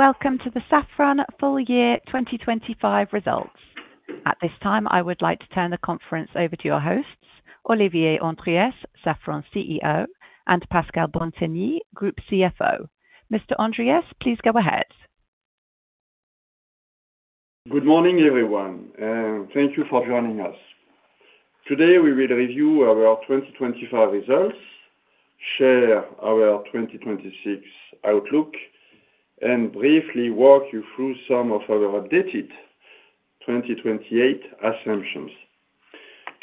Welcome to the Safran Full Year 2025 results. At this time, I would like to turn the conference over to your hosts, Olivier Andriès, Safran CEO, and Pascal Bantegnie, Group CFO. Mr. Andriès, please go ahead. Good morning, everyone, thank you for joining us. Today, we will review our 2025 results, share our 2026 outlook, and briefly walk you through some of our updated 2028 assumptions.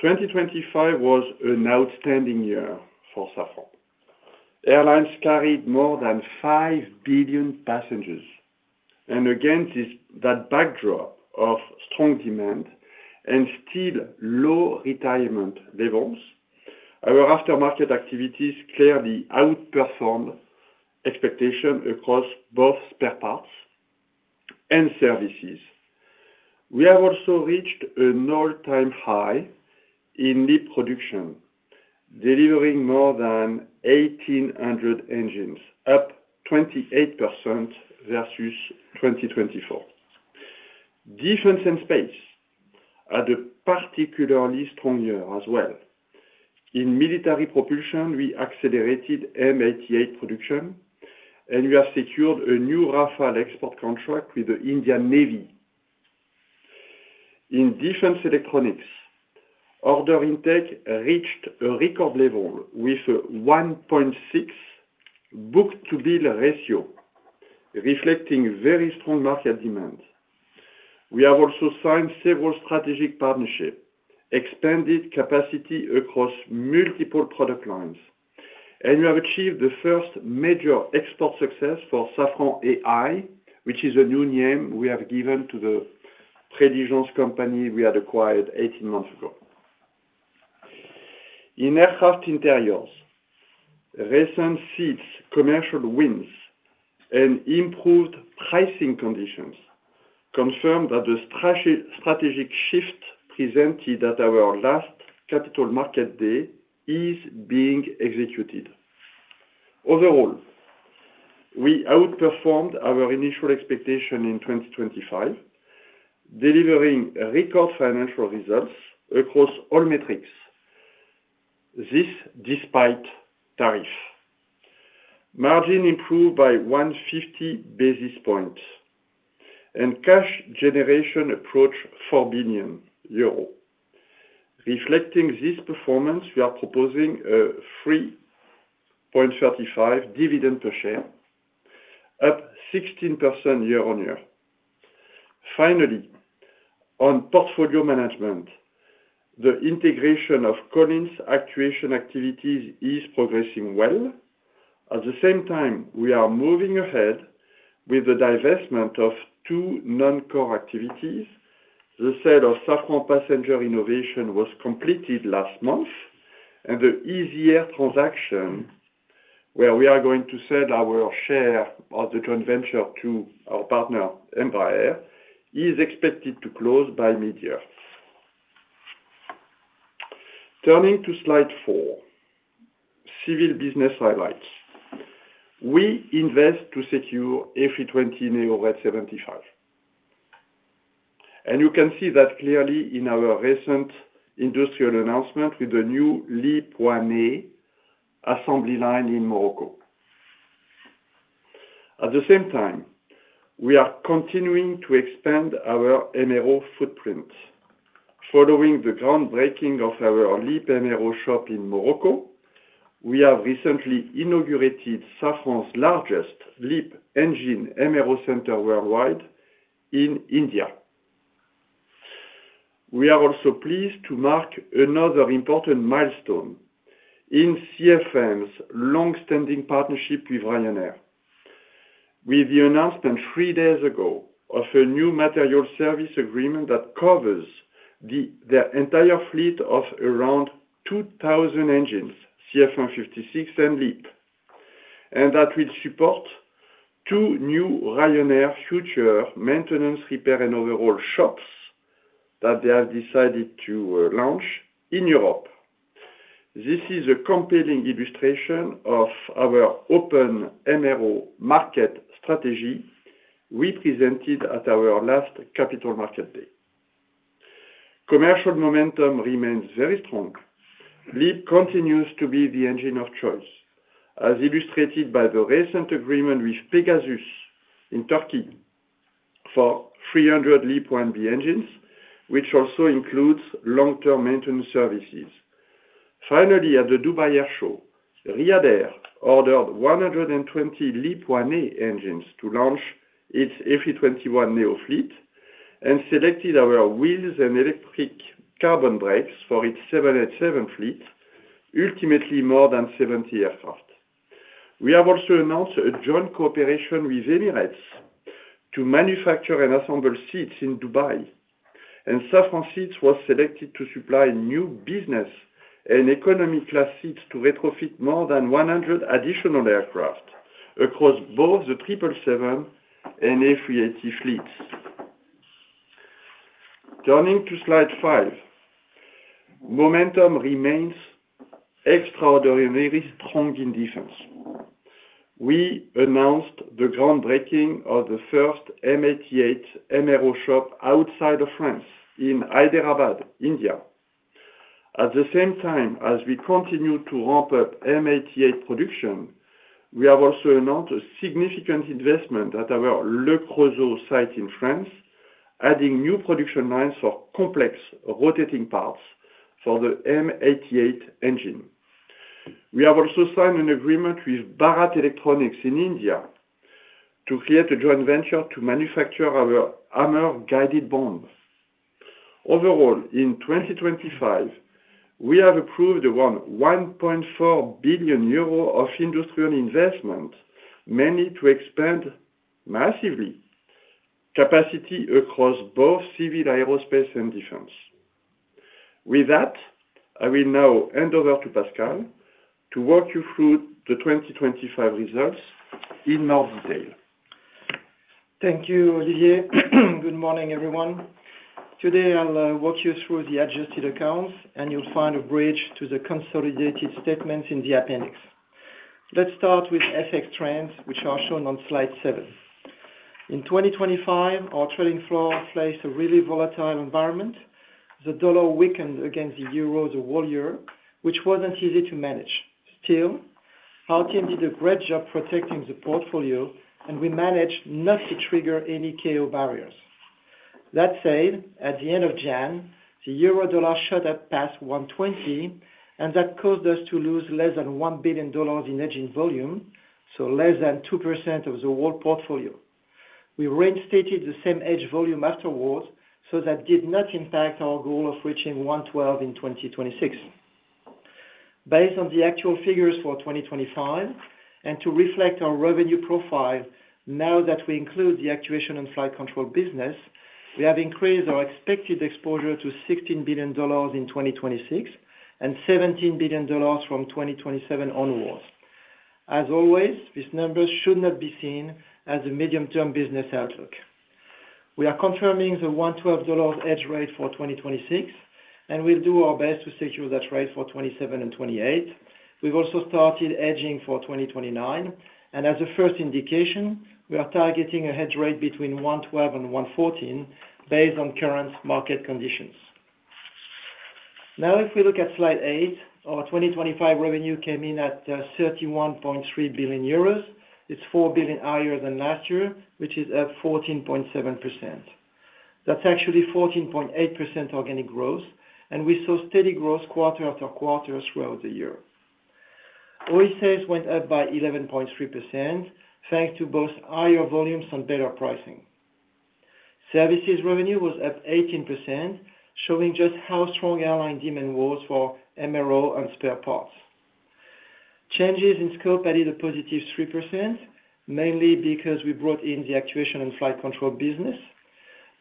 2025 was an outstanding year for Safran. Airlines carried more than 5 billion passengers, and against this, that backdrop of strong demand and still low retirement levels, our aftermarket activities clearly outperformed expectation across both spare parts and services. We have also reached an all-time high in LEAP production, delivering more than 1,800 engines, up 28% versus 2024. Defense and space had a particularly strong year as well. In military Propulsion, we accelerated M88 production, and we have secured a new Rafale export contract with the Indian Navy. In defense electronics, order intake reached a record level with a 1.6 book-to-bill ratio, reflecting very strong market demand. We have also signed several strategic partnerships, expanded capacity across multiple product lines, and we have achieved the first major export success for Safran AI, which is a new name we have given to the Preligens company we had acquired 18 months ago. In aircraft interiors, recent Seats commercial wins, and improved pricing conditions confirm that the strategic shift presented at our last Capital Markets Day is being executed. Overall, we outperformed our initial expectation in 2025, delivering record financial results across all metrics. This despite tariff. Margin improved by 150 basis points and cash generation approached 4 billion euro. Reflecting this performance, we are proposing a 3.35 dividend per share, up 16% year-on-year. Finally, on portfolio management, the integration of Collins Actuation activities is progressing well. At the same time, we are moving ahead with the divestment of two non-core activities. The sale of Safran Passenger Innovations was completed last month, and the EZ Air transaction, where we are going to sell our share of the EZ Air to our partner, Embraer, is expected to close by mid-year. Turning to Slide 4, civil business highlights. We invest to secure A320neo at 75, and you can see that clearly in our recent industrial announcement with the new LEAP-1A assembly line in Morocco. At the same time, we are continuing to expand our MRO footprint. Following the groundbreaking of our LEAP MRO shop in Morocco, we have recently inaugurated Safran's largest LEAP engine MRO center worldwide in India. We are also pleased to mark another important milestone in CFM's long-standing partnership with Ryanair. With the announcement three days ago of a new material service agreement that covers the, the entire fleet of around 2,000 engines, CFM56 and LEAP, and that will support two new Ryanair future maintenance, repair, and overhaul shops that they have decided to launch in Europe. This is a compelling illustration of our open MRO market strategy we presented at our last Capital Markets Day. Commercial momentum remains very strong. LEAP continues to be the engine of choice, as illustrated by the recent agreement with Pegasus in Turkey for 300 LEAP-1B engines, which also includes long-term maintenance services. Finally, at the Dubai Airshow, Riyadh Air ordered 120 LEAP-1A engines to launch its A321neo fleet and selected our wheels and electric carbon brakes for its 787 fleet, ultimately more than 70 aircraft. We have also announced a joint cooperation with Emirates to manufacture and assemble seats in Dubai, and Safran Seats was selected to supply new business and economy class seats to retrofit more than 100 additional aircraft across both the 777 and A380 fleets. Turning to slide 5. Momentum remains extraordinarily strong in defense. We announced the groundbreaking of the first M88 MRO shop outside of France, in Hyderabad, India. At the same time, as we continue to ramp up M88 production, we have also announced a significant investment at our Le Creusot site in France, adding new production lines for complex rotating parts for the M88 engine. We have also signed an agreement with Bharat Electronics in India, to create a joint venture to manufacture our AASM Hammer guided bombs. Overall, in 2025, we have approved around 1.4 billion euro of industrial investment, mainly to expand massively capacity across both civil, aerospace, and defense. With that, I will now hand over to Pascal, to walk you through the 2025 results in more detail. Thank you, Olivier. Good morning, everyone. Today, I'll walk you through the adjusted accounts, and you'll find a bridge to the consolidated statement in the appendix. Let's start with FX trends, which are shown on slide 7. In 2025, our trading floor faced a really volatile environment. The dollar weakened against the euro the whole year, which wasn't easy to manage. Still, our team did a great job protecting the portfolio, and we managed not to trigger any KO barriers. That said, at the end of January, the euro dollar shot up past 1.20, and that caused us to lose less than $1 billion in hedging volume, so less than 2% of the whole portfolio. We reinstated the same hedge volume afterwards, so that did not impact our goal of reaching 1.12 in 2026. Based on the actual figures for 2025, and to reflect our revenue profile now that we include the Actuation and Flight Control business, we have increased our expected exposure to $16 billion in 2026, and $17 billion from 2027 onwards. As always, these numbers should not be seen as a medium-term business outlook. We are confirming the $1.12 hedge rate for 2026, and we'll do our best to secure that rate for 2027 and 2028. We've also started hedging for 2029, and as a first indication, we are targeting a hedge rate between 1.12 and 1.14 based on current market conditions. Now, if we look at slide 8, our 2025 revenue came in at 31.3 billion euros. It's 4 billion higher than last year, which is at 14.7%. That's actually 14.8% organic growth, and we saw steady growth quarter after quarter throughout the year. OE sales went up by 11.3%, thanks to both higher volumes and better pricing. Services revenue was up 18%, showing just how strong airline demand was for MRO and spare parts. Changes in scope added a positive 3%, mainly because we brought in the Actuation and Flight Control business.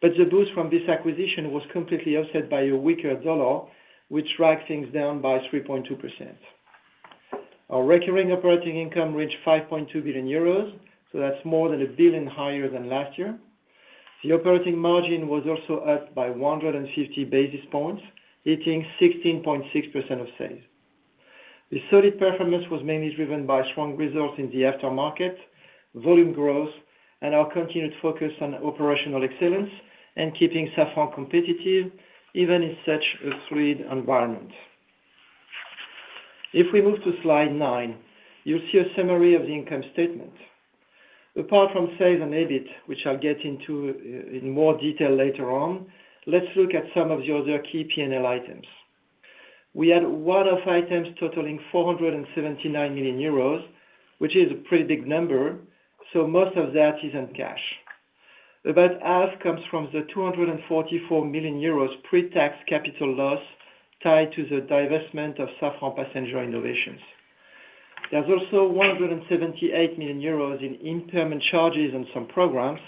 But the boost from this acquisition was completely offset by a weaker dollar, which dragged things down by 3.2%. Our recurring operating income reached 5.2 billion euros, so that's more than 1 billion higher than last year. The operating margin was also up by 150 basis points, hitting 16.6% of sales. The solid performance was mainly driven by strong results in the aftermarket, volume growth, and our continued focus on operational excellence and keeping Safran competitive, even in such a fluid environment. If we move to slide 9, you'll see a summary of the income statement. Apart from sales and EBIT, which I'll get into in more detail later on, let's look at some of the other key P&L items. We had one-off items totaling 479 million euros, which is a pretty big number, so most of that is in cash. About half comes from the 244 million euros pre-tax capital loss tied to the divestment of Safran Passenger Innovations. There's also 178 million euros in impairment charges on some programs,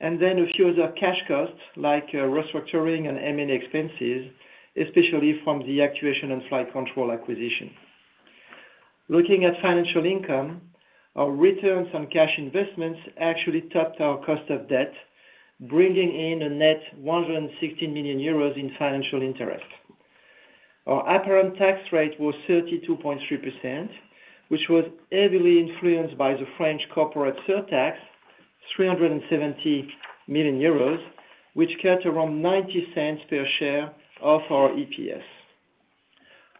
and then a few other cash costs, like, restructuring and M&A expenses, especially from the Actuation and Flight Control acquisition. Looking at financial income, our returns on cash investments actually topped our cost of debt, bringing in a net 160 million euros in financial interest. Our apparent tax rate was 32.3%, which was heavily influenced by the French corporate surtax, 370 million euros, which cut around €0.90 per share of our EPS.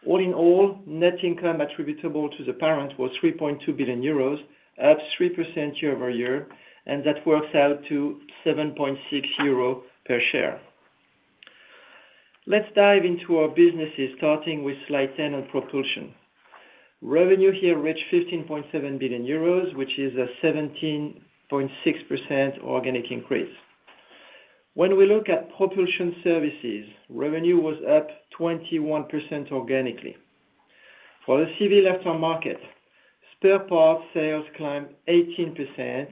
All in all, net income attributable to the parent was 3.2 billion euros, up 3% year-over-year, and that works out to €7.60 per share. Let's dive into our businesses, starting with slide 10 on Propulsion. Revenue here reached 15.7 billion euros, which is a 17.6% organic increase. When we look at Propulsion services, revenue was up 21% organically. For the civil aftermarket, spare parts sales climbed 18%,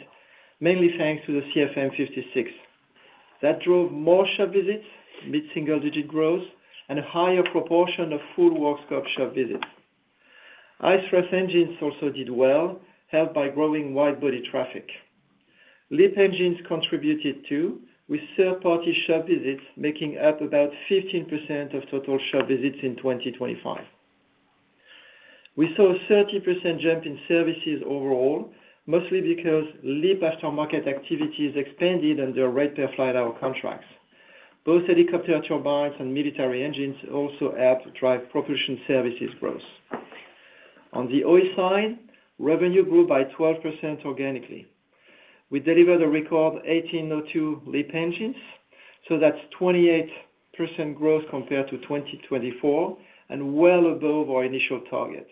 mainly thanks to the CFM56. That drove more shop visits, mid-single-digit growth, and a higher proportion of full work scope shop visits. High-thrust engines also did well, helped by growing widebody traffic. LEAP engines contributed, too, with third-party shop visits making up about 15% of total shop visits in 2025. We saw a 30% jump in services overall, mostly because LEAP aftermarket activities expanded under Rate per Flight Hour contracts. Both helicopter turbines and military engines also helped to drive Propulsion services growth. On the OE side, revenue grew by 12% organically. We delivered a record 1,802 LEAP engines, so that's 28% growth compared to 2024, and well above our initial target.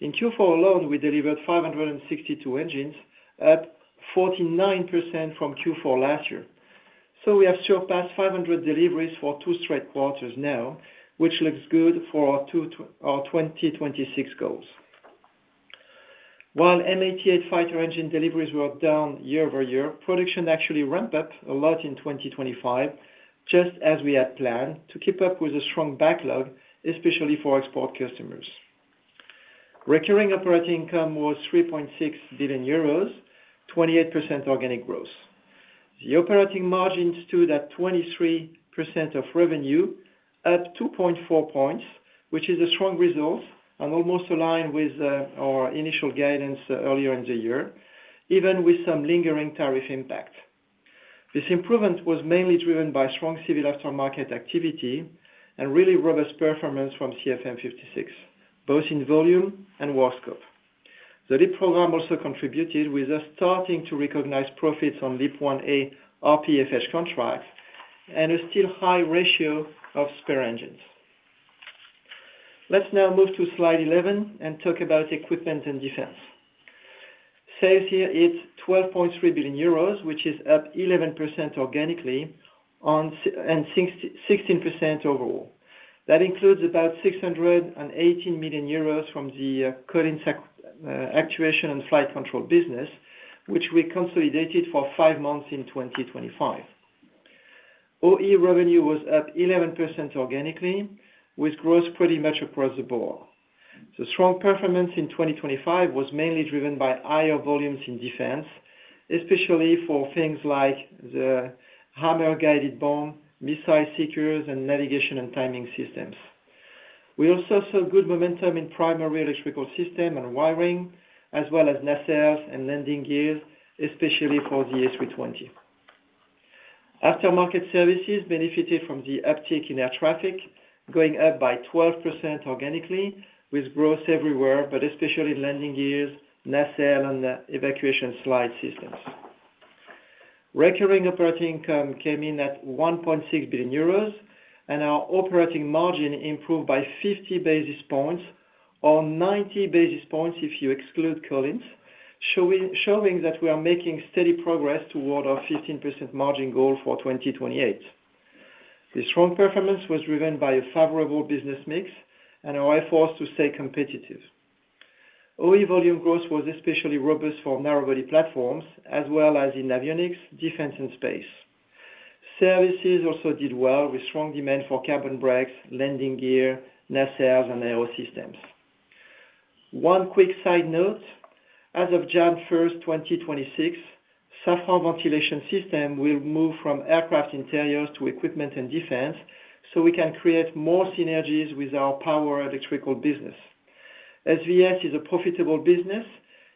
In Q4 alone, we delivered 562 engines at 49% from Q4 last year. So we have surpassed 500 deliveries for two straight quarters now, which looks good for our 2026 goals. While M88 fighter engine deliveries were down year-over-year, production actually ramped up a lot in 2025, just as we had planned, to keep up with the strong backlog, especially for export customers. Recurring operating income was 3.6 billion euros, 28% organic growth. The operating margin stood at 23% of revenue, up 2.4 points, which is a strong result and almost aligned with our initial guidance earlier in the year, even with some lingering tariff impact. This improvement was mainly driven by strong civil aftermarket activity and really robust performance from CFM56, both in volume and work scope. The LEAP program also contributed with us starting to recognize profits from LEAP-1A RPFH contracts and a still high ratio of spare engines. Let's now move to slide 11 and talk about Equipment and Defense. Sales here is 12.3 billion euros, which is up 11% organically and 16% overall. That includes about 680 million euros from the current Actuation and Flight Control business, which we consolidated for 5 months in 2025. OE revenue was up 11% organically, with growth pretty much across the board. The strong performance in 2025 was mainly driven by higher volumes in defense, especially for things like the Hammer-guided bomb, missile seekers, and navigation and timing systems. We also saw good momentum in primary electrical system and wiring, as well as nacelles and landing gears, especially for the A320. Aftermarket services benefited from the uptick in air traffic, going up by 12% organically, with growth everywhere, but especially landing gears, nacelle, and evacuation slide systems. Recurring operating income came in at 1.6 billion euros, and our operating margin improved by 50 basis points, or 90 basis points if you exclude Collins, showing that we are making steady progress toward our 15% margin goal for 2028. The strong performance was driven by a favorable business mix and our efforts to stay competitive. OE volume growth was especially robust for narrow body platforms, as well as in avionics, defense, and space. Services also did well, with strong demand for carbon brakes, landing gear, nacelles, and Aerosystems. One quick side note, as of January 1, 2026, Safran Ventilation Systems will move from Aircraft Interiors to Equipment and Defense, so we can create more synergies with our power electrical business. SVS is a profitable business.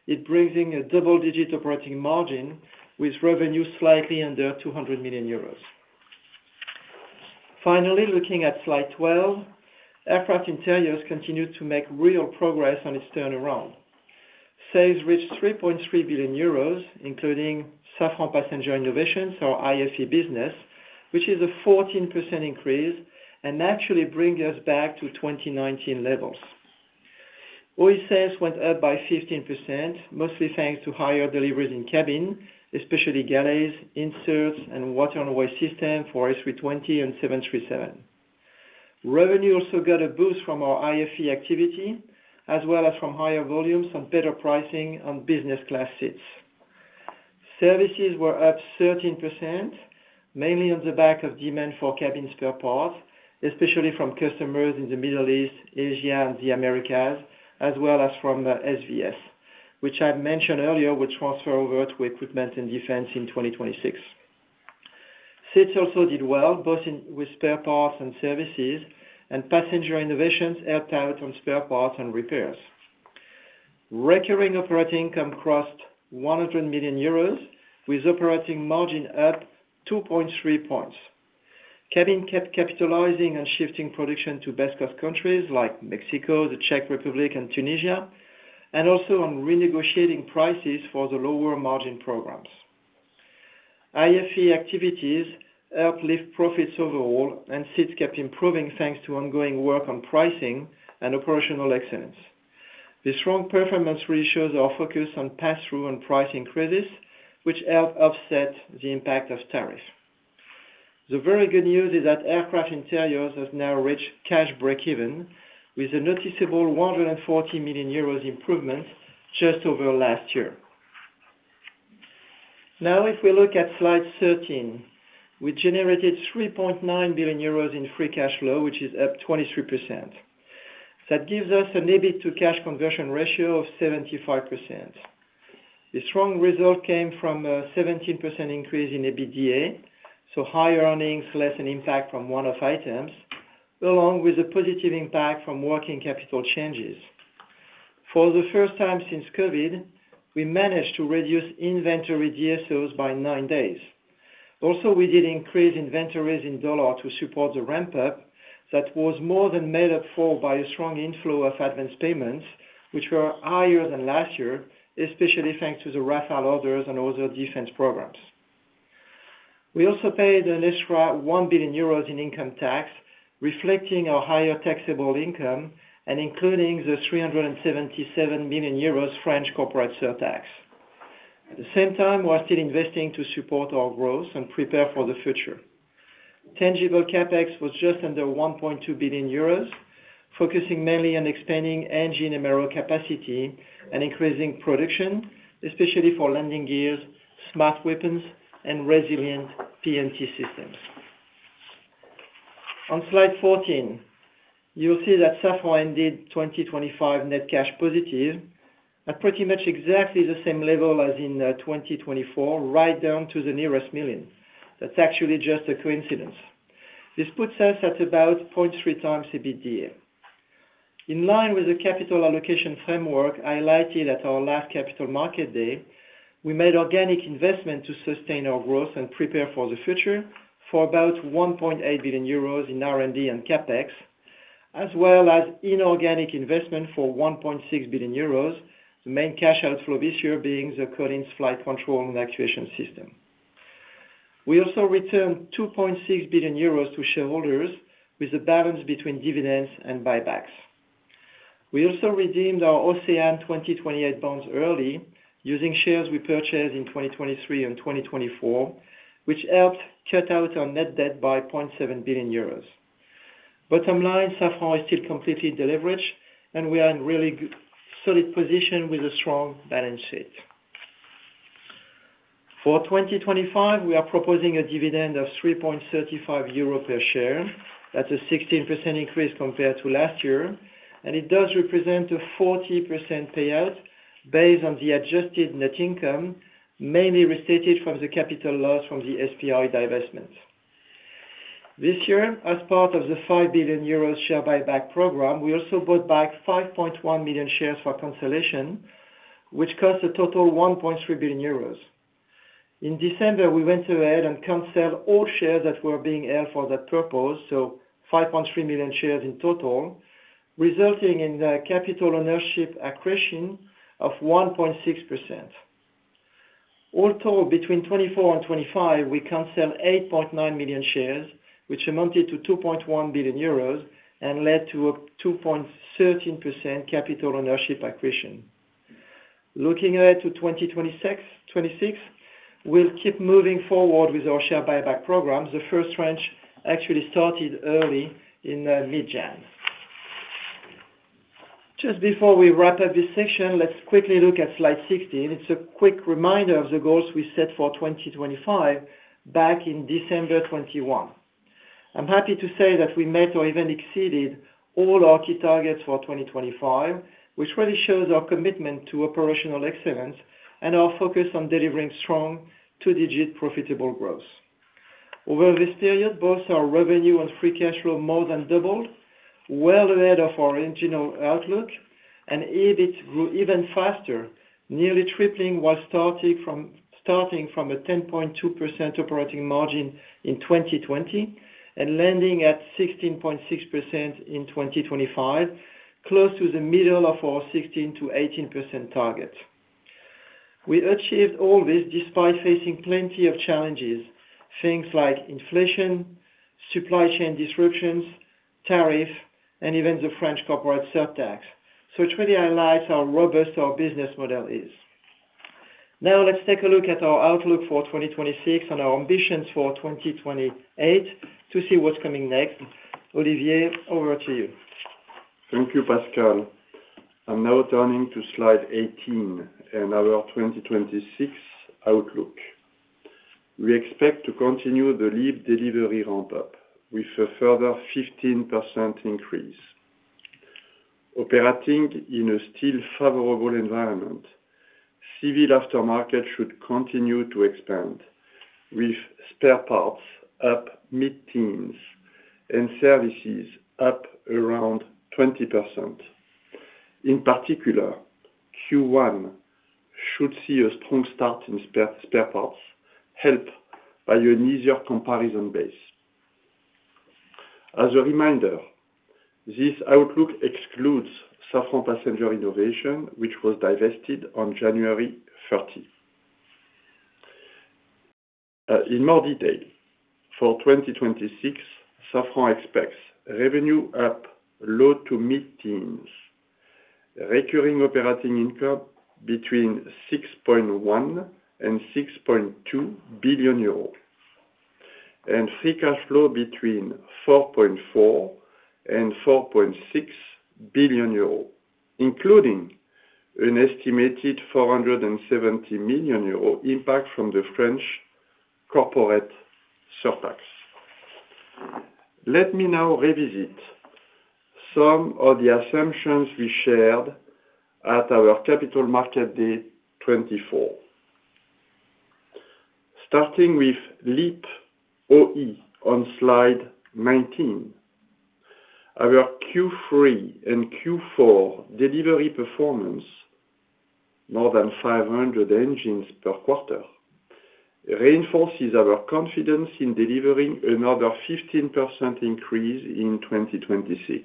It brings in a double-digit operating margin, with revenue slightly under 200 million euros. Finally, looking at slide 12, Aircraft Interiors continued to make real progress on its turnaround. Sales reached 3.3 billion euros, including Safran Passenger Innovations, our IFE business, which is a 14% increase and actually brings us back to 2019 levels. OE sales went up by 15%, mostly thanks to higher deliveries in Cabin, especially galleys, inserts, and water and waste system for A320 and 737. Revenue also got a boost from our IFE activity, as well as from higher volumes and better pricing on business class seats. Services were up 13%, mainly on the back of demand for cabin spare parts, especially from customers in the Middle East, Asia, and the Americas, as well as from the SVS, which I mentioned earlier, will transfer over to Equipment and Defense in 2026. Seats also did well, both with spare parts and services, and Passenger Innovations helped out on spare parts and repairs. Recurring operating income crossed 100 million euros, with operating margin up 2.3 points. Cabin kept capitalizing on shifting production to best cost countries like Mexico, the Czech Republic, and Tunisia, and also on renegotiating prices for the lower margin programs. IFE activities helped lift profits overall, and Seats kept improving, thanks to ongoing work on pricing and operational excellence. The strong performance really shows our focus on pass-through and price increases, which helped offset the impact of tariffs. The very good news is that Aircraft Interiors has now reached cash breakeven with a noticeable 140 million euros improvement just over last year. Now, if we look at slide 13, we generated 3.9 billion euros in free cash flow, which is up 23%. That gives us an EBIT to cash conversion ratio of 75%. The strong result came from a 17% increase in EBITDA, so higher earnings, less an impact from one-off items, along with a positive impact from working capital changes. For the first time since COVID, we managed to reduce inventory DSOs by nine days. Also, we did increase inventories in dollars to support the ramp up that was more than made up for by a strong inflow of advance payments, which were higher than last year, especially thanks to the Rafale orders and other defense programs. We also paid an extra 1 billion euros in income tax, reflecting our higher taxable income and including the 377 million euros French corporate surtax. At the same time, we are still investing to support our growth and prepare for the future. Tangible CapEx was just under 1.2 billion euros, focusing mainly on expanding engine and aero capacity and increasing production, especially for landing gears, smart weapons, and resilient PNT systems. On slide 14, you will see that Safran ended 2025 net cash positive at pretty much exactly the same level as in twenty twenty-four, right down to the nearest million. That's actually just a coincidence. This puts us at about 0.3 times EBITDA. In line with the capital allocation framework highlighted at our last Capital Markets Day, we made organic investment to sustain our growth and prepare for the future for about 1.8 billion euros in R&D and CapEx, as well as inorganic investment for 1.6 billion euros. The main cash outflow this year being the Collins Flight Control and Actuation system. We also returned 2.6 billion euros to shareholders, with a balance between dividends and buybacks. We also redeemed our OCEANE 2028 bonds early, using shares we purchased in 2023 and 2024, which helped cut out our net debt by 0.7 billion euros. Bottom line, Safran is still completely deleveraged, and we are in really solid position with a strong balance sheet. For 2025, we are proposing a dividend of 3.35 euro per share. That's a 16% increase compared to last year, and it does represent a 40% payout based on the adjusted net income, mainly restated from the capital loss from the SPI divestment. This year, as part of the 5 billion euros share buyback program, we also bought back 5.1 million shares for cancellation, which cost a total 1.3 billion euros. In December, we went ahead and canceled all shares that were being held for that purpose, so 5.3 million shares in total, resulting in the capital ownership accretion of 1.6%. All told, between 2024 and 2025, we canceled 8.9 million shares, which amounted to 2.1 billion euros and led to a 2.13% capital ownership accretion. Looking ahead to 2026, we'll keep moving forward with our share buyback program. The first tranche actually started early in mid-Jan. Just before we wrap up this section, let's quickly look at slide 16. It's a quick reminder of the goals we set for 2025 back in December 2021. I'm happy to say that we met or even exceeded all our key targets for 2025, which really shows our commitment to operational excellence and our focus on delivering strong two-digit profitable growth. Over this period, both our revenue and free cash flow more than doubled, well ahead of our original outlook, and EBIT grew even faster, nearly tripling starting from a 10.2% operating margin in 2020, and landing at 16.6% in 2025, close to the middle of our 16%-18% target. We achieved all this despite facing plenty of challenges, things like inflation, supply chain disruptions, tariff, and even the French corporate surtax. So it really highlights how robust our business model is. Now, let's take a look at our outlook for 2026 and our ambitions for 2028 to see what's coming next. Olivier, over to you. Thank you, Pascal. I'm now turning to slide 18 and our 2026 outlook. We expect to continue the LEAP delivery ramp up with a further 15% increase. Operating in a still favorable environment, civil aftermarket should continue to expand, with spare parts up mid-teens and services up around 20%. In particular, Q1 should see a strong start in spare parts, helped by an easier comparison base. As a reminder, this outlook excludes Safran Passenger Innovations, which was divested on January 30. In more detail, for 2026, Safran expects revenue up low-to-mid-teens. Recurring operating income between 6.1 billion and 6.2 billion euros.... and free cash flow between 4.4 billion and 4.6 billion euros, including an estimated 470 million euro impact from the French corporate surtax. Let me now revisit some of the assumptions we shared at our Capital Markets Day 2024. Starting with LEAP OE on Slide 19, our Q3 and Q4 delivery performance, more than 500 engines per quarter, reinforces our confidence in delivering another 15% increase in 2026,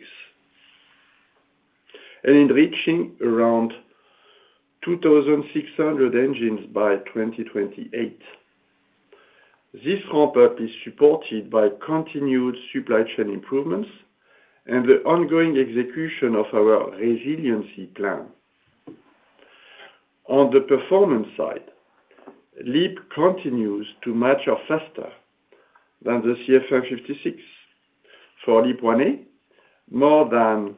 and in reaching around 2,600 engines by 2028. This ramp-up is supported by continued supply chain improvements and the ongoing execution of our resiliency plan. On the performance side, LEAP continues to mature faster than the CFM56. For LEAP-1A, more than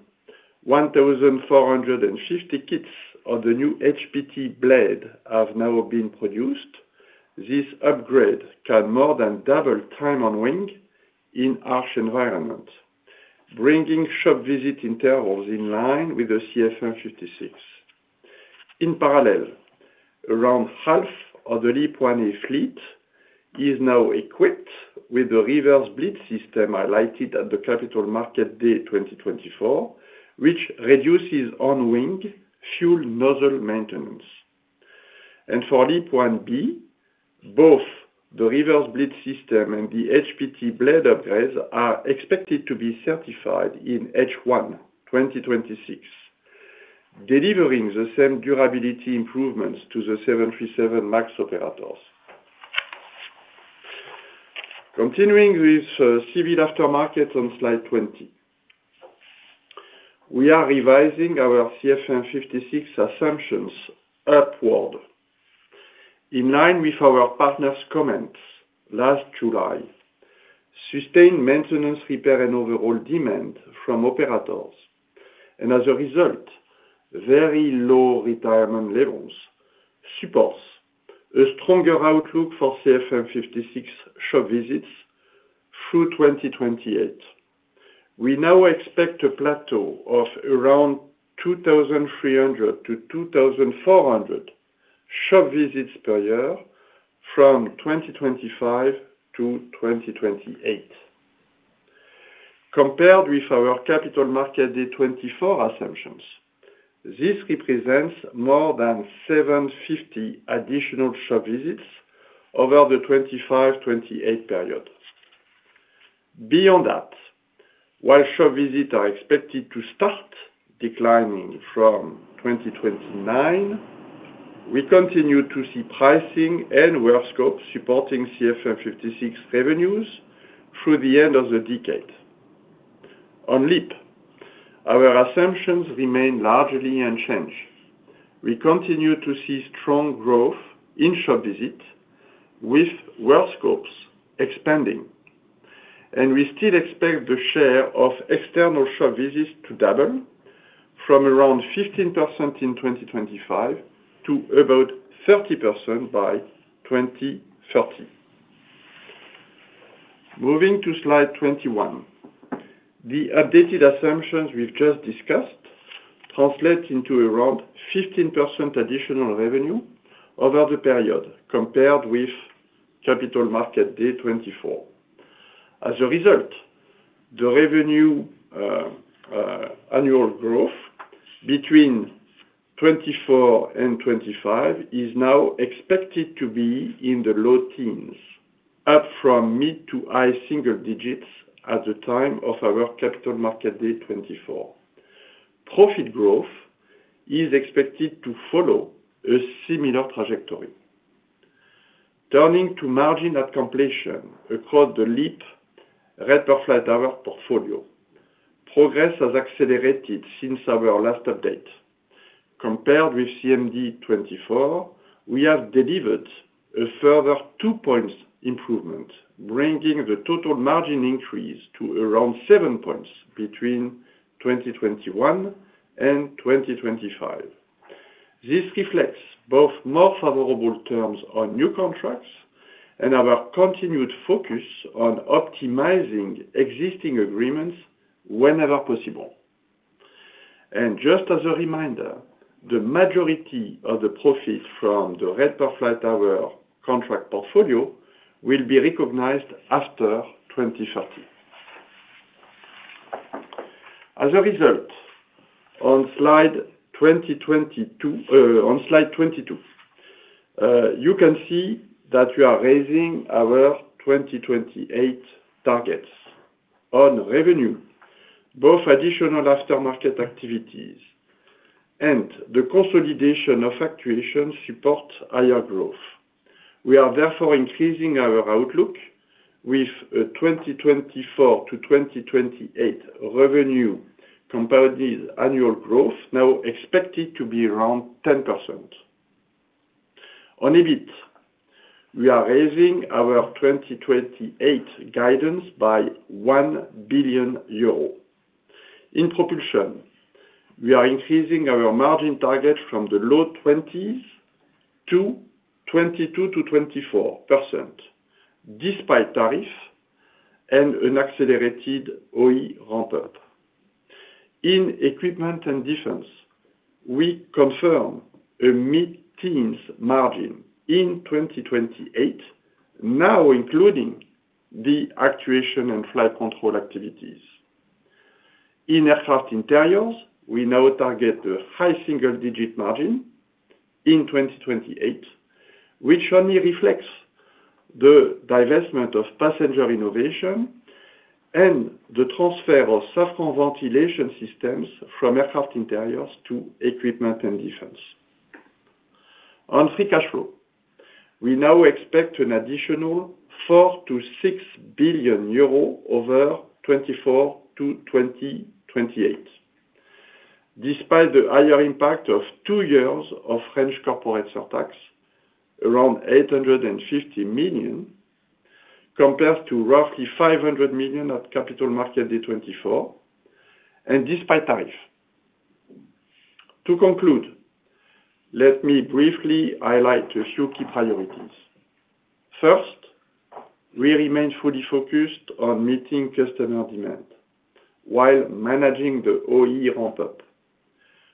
1,450 kits of the new HPT blade have now been produced. This upgrade can more than double time on wing in harsh environment, bringing shop visit intervals in line with the CFM56. In parallel, around half of the LEAP-1A fleet is now equipped with the reverse bleed system highlighted at the Capital Markets Day 2024, which reduces on-wing fuel nozzle maintenance. And for LEAP-1B, both the reverse bleed system and the HPT blade upgrades are expected to be certified in H1 2026, delivering the same durability improvements to the 737 MAX operators. Continuing with civil aftermarket on Slide 20, we are revising our CFM56 assumptions upward. In line with our partner's comments last July, sustained maintenance, repair, and overhaul demand from operators, and as a result, very low retirement levels, supports a stronger outlook for CFM56 shop visits through 2028. We now expect a plateau of around 2,300-2,400 shop visits per year from 2025-2028. Compared with our Capital Markets Day 2024 assumptions, this represents more than 750 additional shop visits over the 2025-2028 period. Beyond that, while shop visits are expected to start declining from 2029, we continue to see pricing and work scope supporting CFM56 revenues through the end of the decade. On LEAP, our assumptions remain largely unchanged. We continue to see strong growth in shop visits, with work scopes expanding, and we still expect the share of external shop visits to double from around 15% in 2025 to about 30% by 2030. Moving to Slide 21, the updated assumptions we've just discussed translate into around 15% additional revenue over the period, compared with Capital Markets Day 2024. As a result, the revenue annual growth between 2024 and 2025 is now expected to be in the low teens, up from mid- to high-single digits at the time of our Capital Markets Day 2024. Profit growth is expected to follow a similar trajectory. Turning to margin at completion across the LEAP Rate per Flight Hour portfolio, progress has accelerated since our last update. Compared with CMD 2024, we have delivered a further two points improvement, bringing the total margin increase to around seven points between 2021 and 2025. This reflects both more favorable terms on new contracts and our continued focus on optimizing existing agreements whenever possible. Just as a reminder, the majority of the profit from the Rate per Flight Hour contract portfolio will be recognized after 2030. As a result, on Slide 22, you can see that we are raising our 2028 targets. On revenue, both additional aftermarket activities and the consolidation of actuations support higher growth. We are therefore increasing our outlook with a 2024 to 2028 revenue comparative annual growth now expected to be around 10%. On EBIT, we are raising our 2028 guidance by 1 billion euro. In Propulsion, we are increasing our margin target from the low 20s to 22%-24%, despite tariff and an accelerated OE ramp up. In Equipment and Defense, we confirm a mid-teens margin in 2028, now including the Actuation and Flight Control activities. In aircraft interiors, we now target a high single-digit margin in 2028, which only reflects the divestment of Passenger Innovations and the transfer of Safran Ventilation Systems from aircraft interiors to Equipment and Defense. On free cash flow, we now expect an additional 4-6 billion euros over 2024-2028, despite the higher impact of two years of French corporate surtax, around 850 million, compared to roughly 500 million at Capital Markets Day 2024, and despite tariff. To conclude, let me briefly highlight a few key priorities. First, we remain fully focused on meeting customer demand while managing the OE ramp-up.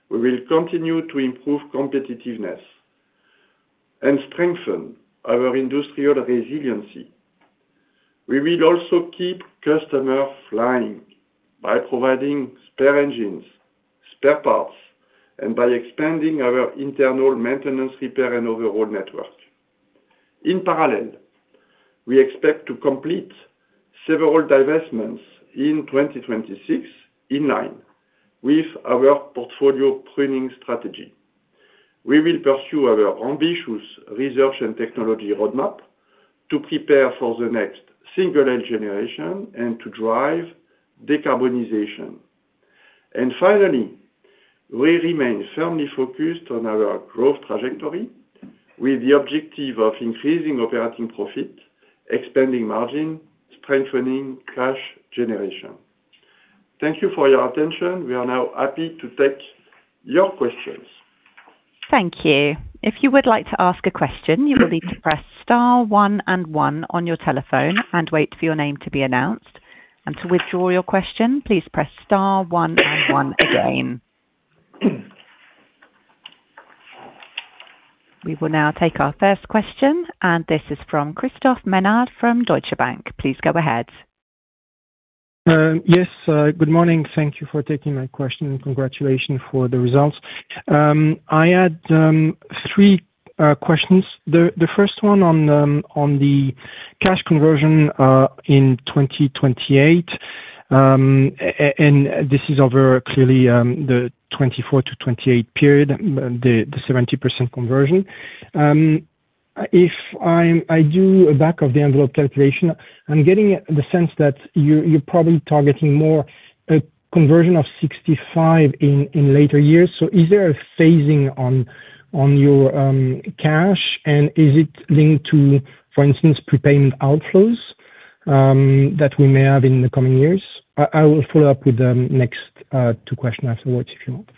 We will continue to improve competitiveness and strengthen our industrial resiliency. We will also keep customers flying by providing spare engines, spare parts, and by expanding our internal maintenance, repair and overhaul network. In parallel, we expect to complete several divestments in 2026, in line with our portfolio planning strategy. We will pursue our ambitious research and technology roadmap to prepare for the next single engine generation and to drive decarbonization. And finally, we remain firmly focused on our growth trajectory with the objective of increasing operating profit, expanding margin, strengthening cash generation. Thank you for your attention. We are now happy to take your questions. Thank you. If you would like to ask a question, you will need to press star one and one on your telephone and wait for your name to be announced. To withdraw your question, please press star one and one again. We will now take our first question, and this is from Christophe Ménard from Deutsche Bank. Please go ahead. Yes, good morning. Thank you for taking my question, and congratulations for the results. I had three questions. The first one on the cash conversion in 2028. And this is over clearly the 2024 to 2028 period, the 70% conversion. If I do a back of the envelope calculation, I'm getting the sense that you're probably targeting more a conversion of 65% in later years. So is there a phasing on your cash, and is it linked to, for instance, prepayment outflows that we may have in the coming years? I will follow up with the next two questions afterwards, if you want.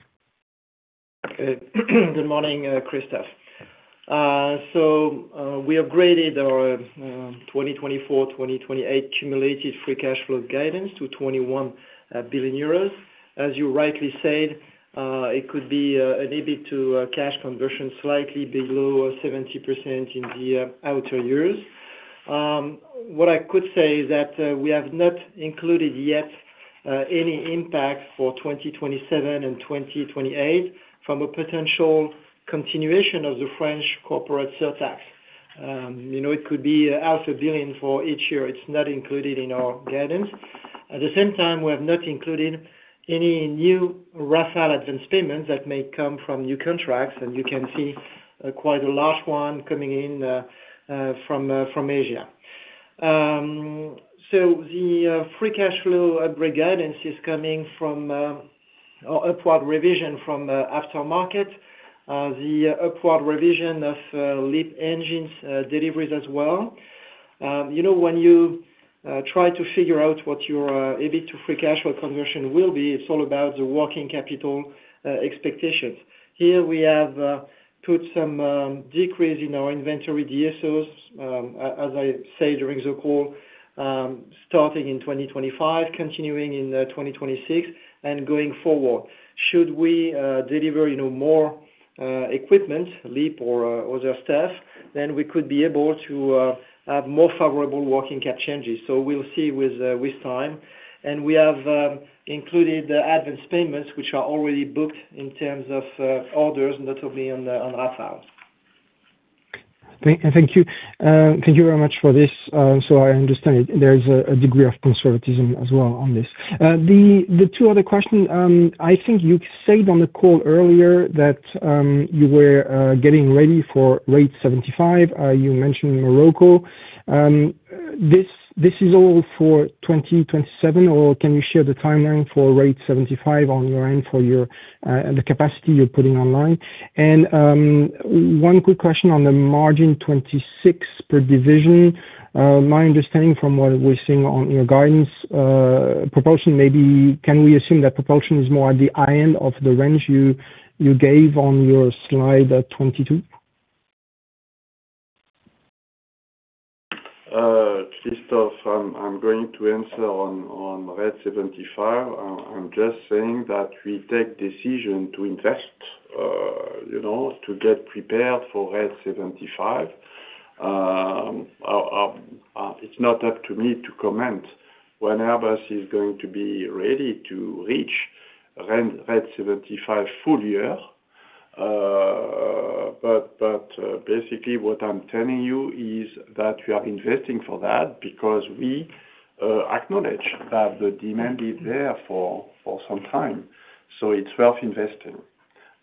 Good morning, Christophe. So, we upgraded our 2024-2028 cumulative free cash flow guidance to 21 billion euros. As you rightly said, it could be an EBIT-to-cash conversion slightly below 70% in the outer years. What I could say is that we have not included yet any impact for 2027 and 2028 from a potential continuation of the French corporate surtax. You know, it could be 500 million for each year. It's not included in our guidance. At the same time, we have not included any new Rafale advance payments that may come from new contracts, and you can see quite a large one coming in from Asia. So the free cash flow guidance is coming from or upward revision from aftermarket. The upward revision of LEAP engines deliveries as well. You know, when you try to figure out what your EBIT to free cash flow conversion will be, it's all about the working capital expectations. Here we have put some decrease in our inventory DSOs, as I said, during the call, starting in 2025, continuing in 2026, and going forward. Should we deliver, you know, more equipment, LEAP or other stuff, then we could be able to have more favorable working cap changes. So we'll see with time. We have included the advanced payments, which are already booked in terms of orders, and that will be on Rafale. Thank you. Thank you very much for this. So I understand it. There is a degree of conservatism as well on this. The two other questions, I think you said on the call earlier that you were getting ready for Rate 75. You mentioned Morocco. This is all for 2027, or can you share the timeline for Rate 75 on your end, for the capacity you're putting online? And one quick question on the 26% margin per division. My understanding from what we're seeing on your guidance, proportion maybe... Can we assume that proportion is more at the high end of the range you gave on your slide, 22?... Christophe, I'm going to answer on Rate 75. I'm just saying that we take decision to invest, you know, to get prepared for Rate 75. It's not up to me to comment when Airbus is going to be ready to reach Rate 75 full year. Basically what I'm telling you is that we are investing for that because we acknowledge that the demand is there for some time, so it's worth investing.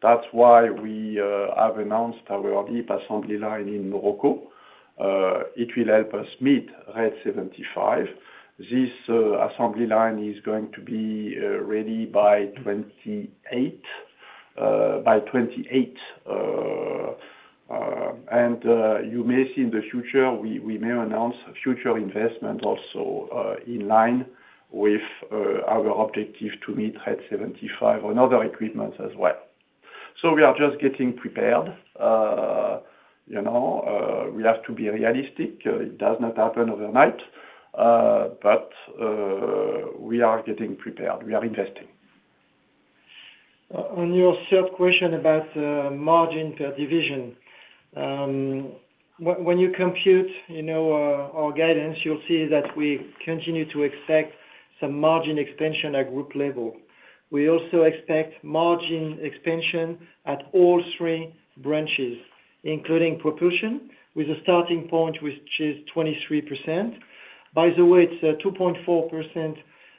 That's why we have announced our LEAP assembly line in Morocco. It will help us meet Rate 75. This assembly line is going to be ready by 2028, by 2028. You may see in the future, we may announce future investment also, in line with our objective to meet Rate 75 on other equipments as well. So we are just getting prepared. You know, we have to be realistic. It does not happen overnight, but we are getting prepared. We are investing. On your third question about margin per division. When you compute, you know, our guidance, you'll see that we continue to expect some margin expansion at group level. We also expect margin expansion at all three branches, including Propulsion, with a starting point, which is 23%. By the way, it's a 2.4%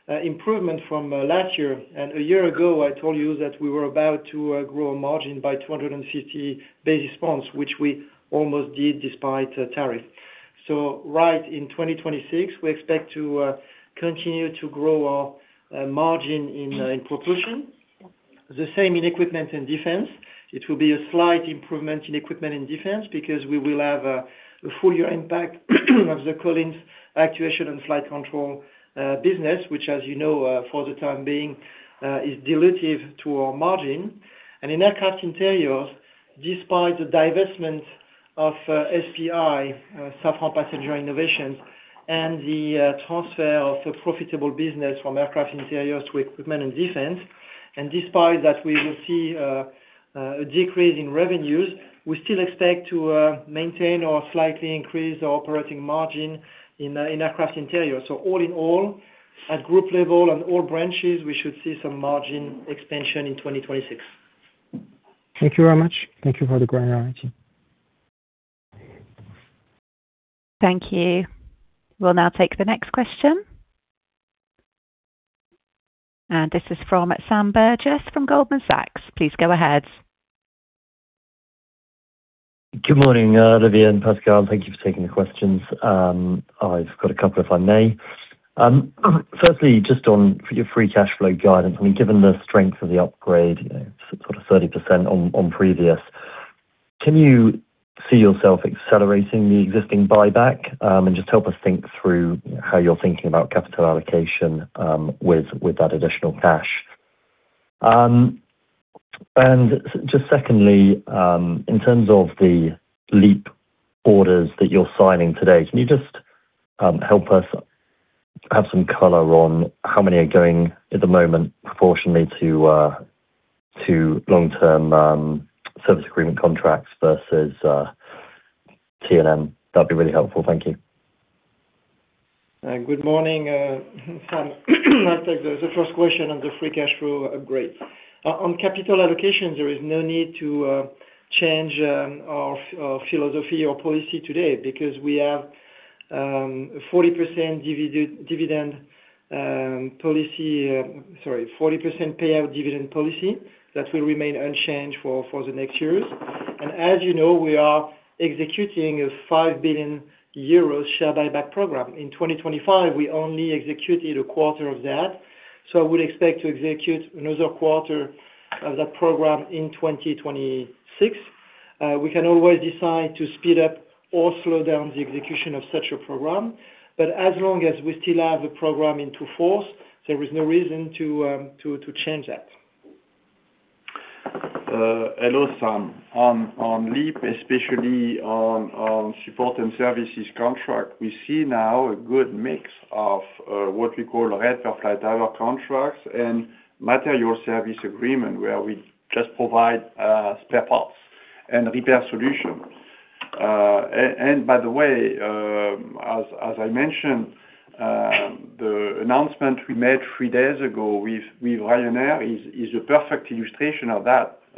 improvement from last year. And a year ago, I told you that we were about to grow a margin by 250 basis points, which we almost did despite tariff. So right in 2026, we expect to continue to grow our margin in Propulsion. The same in Equipment and Defense. It will be a slight improvement in Equipment and Defense because we will have a full year impact of the Collins Actuation and Flight Control business, which, as you know, for the time being, is dilutive to our margin. And in Aircraft Interiors, despite the divestment of SPI, Safran Passenger Innovations, and the transfer of a profitable business from Aircraft Interiors to Equipment and Defense, and despite that, we will see a decrease in revenues. We still expect to maintain or slightly increase our operating margin in Aircraft Interiors. So all in all, at group level, on all branches, we should see some margin expansion in 2026. Thank you very much. Thank you for the clarity. Thank you. We'll now take the next question. This is from Sam Burgess from Goldman Sachs. Please go ahead. Good morning, Olivier and Pascal. Thank you for taking the questions. I've got a couple, if I may. Firstly, just on your free cash flow guidance. I mean, given the strength of the upgrade, you know, sort of 30% on previous, can you see yourself accelerating the existing buyback? And just help us think through how you're thinking about capital allocation, with that additional cash. And just secondly, in terms of the LEAP orders that you're signing today, can you just help us have some color on how many are going at the moment, proportionally to long-term service agreement contracts versus T&M? That'd be really helpful. Thank you. Good morning, Sam. I'll take the first question on the free cash flow upgrade. On capital allocation, there is no need to change our philosophy or policy today, because we have 40% dividend policy. Sorry, 40% payout dividend policy. That will remain unchanged for the next years. And as you know, we are executing a 5 billion euros share buyback program. In 2025, we only executed a quarter of that, so I would expect to execute another quarter of that program in 2026. We can always decide to speed up or slow down the execution of such a program, but as long as we still have the program in force, there is no reason to change that. Hello, Sam. On LEAP, especially on support and services contract, we see now a good mix of what we call Rate per Flight Hour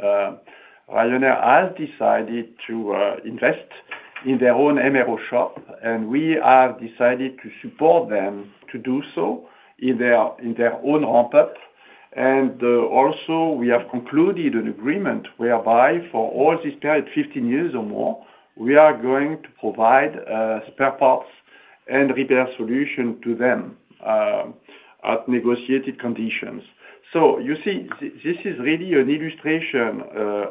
So you see, this is really an illustration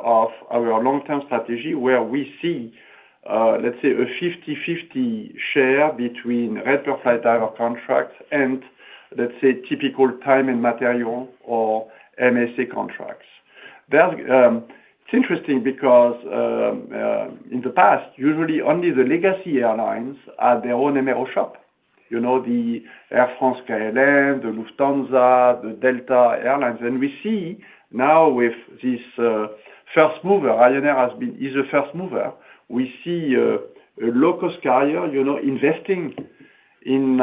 of our long-term strategy, where we see, let's say, a 50/50 share between RPFH-type contracts and, let's say, typical time and material or MSA contracts. That, it's interesting because, in the past, usually only the legacy airlines had their own MRO shop. You know, the Air France-KLM, the Lufthansa, the Delta Air Lines. And we see now with this, first mover, Ryanair has been, is a first mover. We see a low-cost carrier, you know, investing in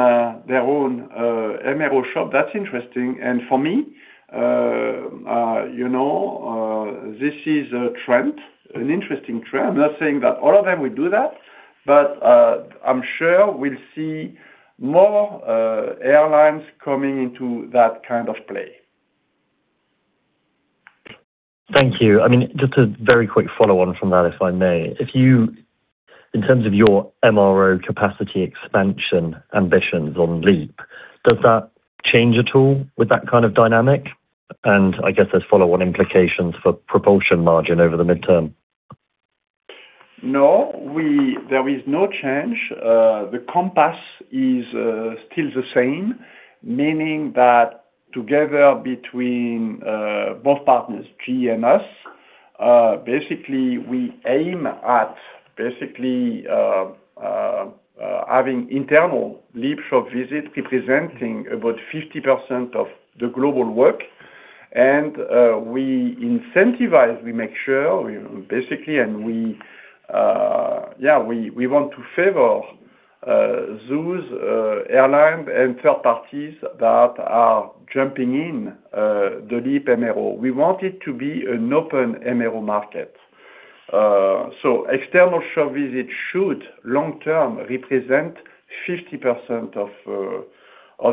their own MRO shop. That's interesting. And for me, you know, this is a trend, an interesting trend. I'm not saying that all of them will do that, but, I'm sure we'll see more airlines coming into that kind of play. Thank you. I mean, just a very quick follow on from that, if I may. If you, in terms of your MRO capacity expansion ambitions on LEAP, does that change at all with that kind of dynamic? And I guess there's follow-on implications for Propulsion margin over the midterm. No, there is no change. The compass is still the same, meaning that together between both partners, GE and us, basically, we aim at basically having internal LEAP shop visit representing about 50% of the global work. And we incentivize, we make sure, we basically, and we yeah, we want to favor those airline and third parties that are jumping in the LEAP MRO. We want it to be an open MRO market. So external shop visit should long term represent 50% of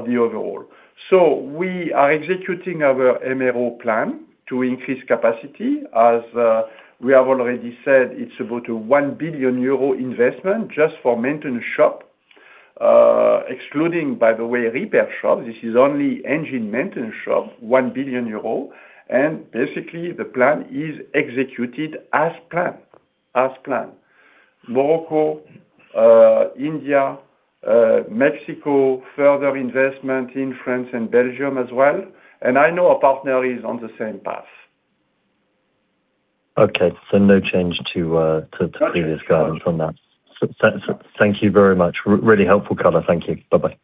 the overall. So we are executing our MRO plan to increase capacity. As we have already said, it's about a 1 billion euro investment just for maintenance shop, excluding, by the way, repair shop. This is only engine maintenance shop, 1 billion euro. Basically, the plan is executed as planned. As planned. Morocco, India, Mexico, further investment in France and Belgium as well. And I know our partner is on the same path. Okay. So no change to the- No change. Previous guidance on that. So, so thank you very much. Really helpful color. Thank you. Bye-bye.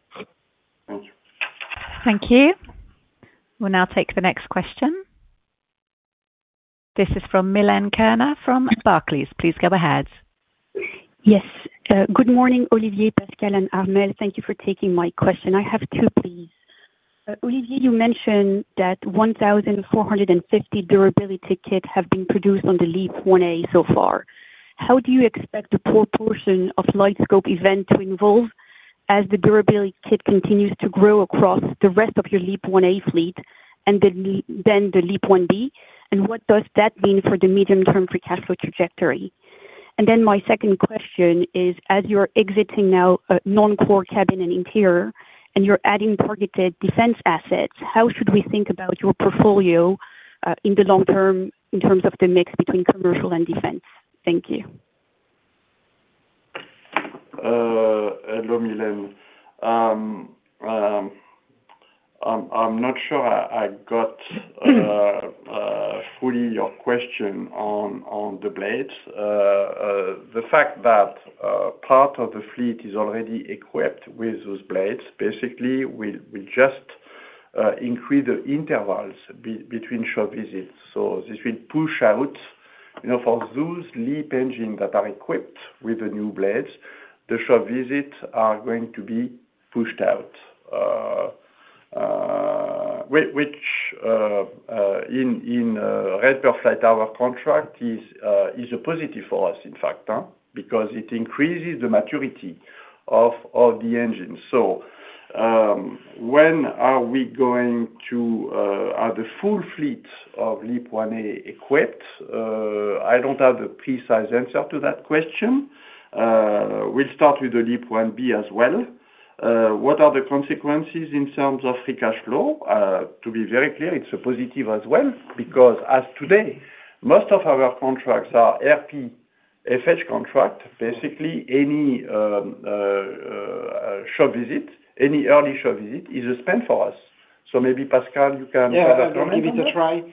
Thank you. Thank you. We'll now take the next question. This is from Milene Kerner from Barclays. Please go ahead. Yes. Good morning, Olivier, Pascal, and Armelle. Thank you for taking my question. I have two, please. Olivier, you mentioned that 1,450 durability kits have been produced on the LEAP-1A so far. How do you expect the proportion of light scope event to evolve as the durability kit continues to grow across the rest of your LEAP-1A fleet and then the LEAP-1B? And what does that mean for the medium-term free cash flow trajectory? And then my second question is, as you're exiting now non-core Cabin and interior, and you're adding targeted defense assets, how should we think about your portfolio in the long term, in terms of the mix between commercial and defense? Thank you. Hello, Milene. I'm not sure I got fully your question on the blades. The fact that part of the fleet is already equipped with those blades, basically, we just increase the intervals between shop visits. So this will push out, you know, for those LEAP engines that are equipped with the new blades, the shop visits are going to be pushed out. Which, in the case of flight hour contract, is a positive for us, in fact, because it increases the maturity of the engine. So, when are we going to have the full fleet of LEAP-1A equipped? I don't have a precise answer to that question. We'll start with the LEAP-1B as well. What are the consequences in terms of free cash flow? To be very clear, it's a positive as well, because as today, most of our contracts are RPFH contract. Basically, any shop visit, any early shop visit, is a spend for us. So maybe Pascal, you can add up on that. Yeah, I can give it a try.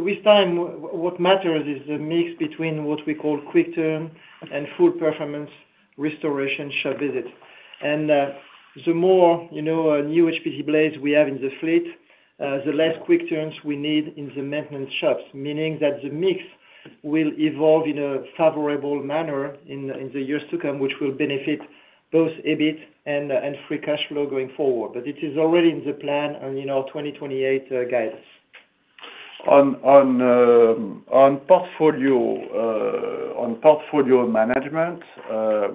With time, what matters is the mix between what we call quick turn and full performance restoration shop visit. And, the more, you know, new HPT blades we have in the fleet, the less quick turns we need in the maintenance shops, meaning that the mix will evolve in a favorable manner in the years to come, which will benefit both EBIT and free cash flow going forward. But it is already in the plan on, you know, 2028 guides. On portfolio management,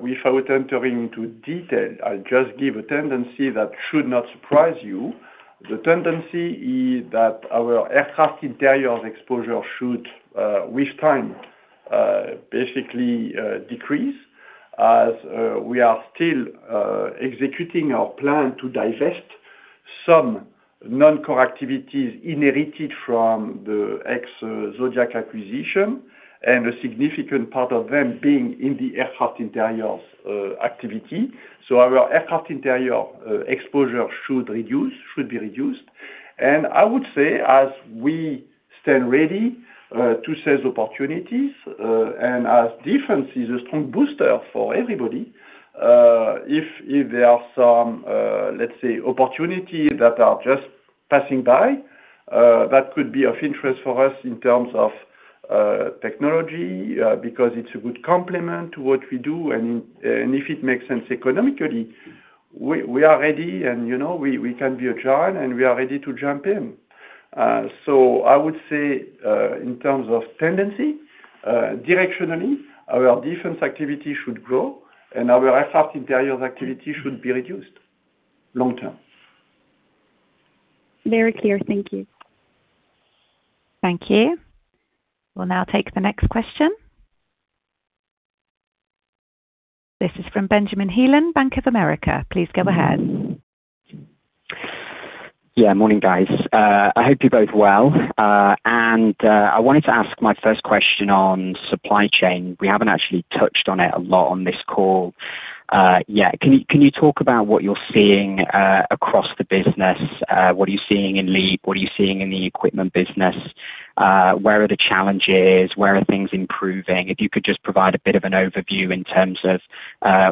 without entering into detail, I'll just give a tendency that should not surprise you. The tendency is that our aircraft interiors exposure should, with time, basically, decrease as we are still executing our plan to divest some non-core activities inherited from the ex-Zodiac acquisition, and a significant part of them being in the aircraft interiors activity. So our aircraft interior exposure should reduce, should be reduced. And I would say as we stand ready to seize opportunities, and as defense is a strong booster for everybody, if, if there are some, let's say, opportunity that are just passing by, that could be of interest for us in terms of technology, because it's a good complement to what we do, and, and if it makes sense economically, we, we are ready, and, you know, we, we can be agile, and we are ready to jump in. So I would say, in terms of tendency, directionally, our defense activity should grow and our aircraft interiors activity should be reduced, long term. Very clear. Thank you. Thank you. We'll now take the next question. This is from Benjamin Heelan, Bank of America. Please go ahead. Yeah, morning, guys. I hope you're both well. And I wanted to ask my first question on supply chain. We haven't actually touched on it a lot on this call. Yeah, can you, can you talk about what you're seeing across the business? What are you seeing in LEAP? What are you seeing in the equipment business? Where are the challenges? Where are things improving? If you could just provide a bit of an overview in terms of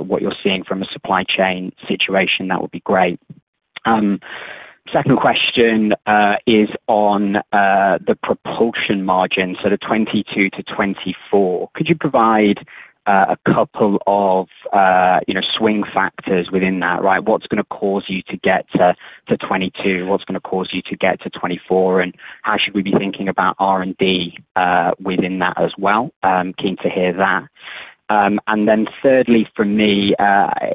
what you're seeing from a supply chain situation, that would be great. Second question is on the Propulsion margin, so the 22%-24%. Could you provide a couple of, you know, swing factors within that, right? What's gonna cause you to get to, to 22? What's gonna cause you to get to 24, and how should we be thinking about R&D within that as well? I'm keen to hear that. And then thirdly, for me,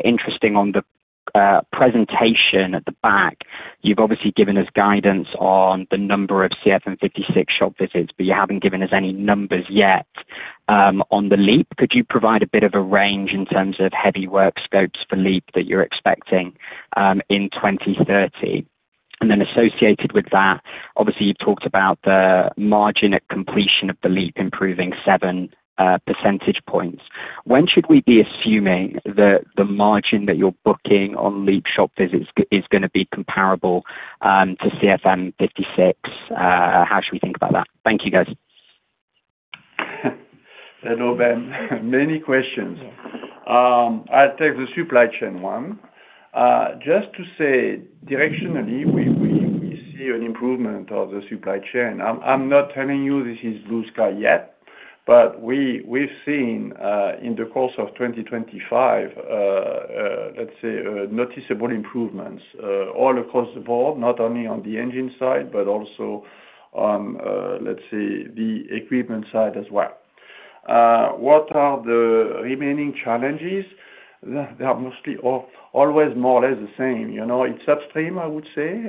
interesting on the presentation at the back, you've obviously given us guidance on the number of CFM56 shop visits, but you haven't given us any numbers yet on the Leap. Could you provide a bit of a range in terms of heavy work scopes for Leap that you're expecting in 2030? And then associated with that, obviously, you've talked about the margin at completion of the Leap improving 7 percentage points. When should we be assuming that the margin that you're booking on Leap Shop visits is gonna be comparable to CFM56? How should we think about that? Thank you, guys. Hello, Ben. Many questions. I'll take the supply chain one. Just to say directionally, we see an improvement of the supply chain. I'm not telling you this is blue sky yet, but we've seen, in the course of 2025, let's say, noticeable improvements all across the board, not only on the engine side, but also on, let's say, the equipment side as well. What are the remaining challenges? They are mostly always more or less the same. You know, in upstream, I would say,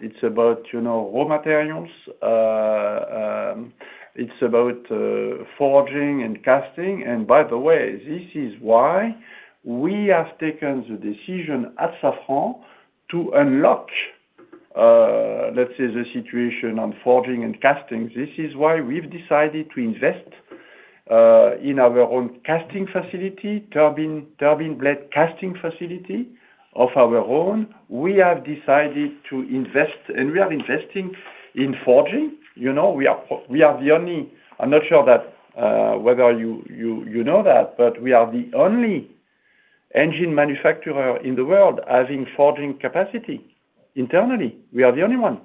it's about, you know, raw materials, it's about, forging and casting. And by the way, this is why we have taken the decision at Safran to unlock, let's say, the situation on forging and casting. This is why we've decided to invest in our own casting facility, turbine blade casting facility of our own. We have decided to invest, and we are investing in forging. You know, we are the only—I'm not sure that whether you know that, but we are the only engine manufacturer in the world having forging capacity internally. We are the only one.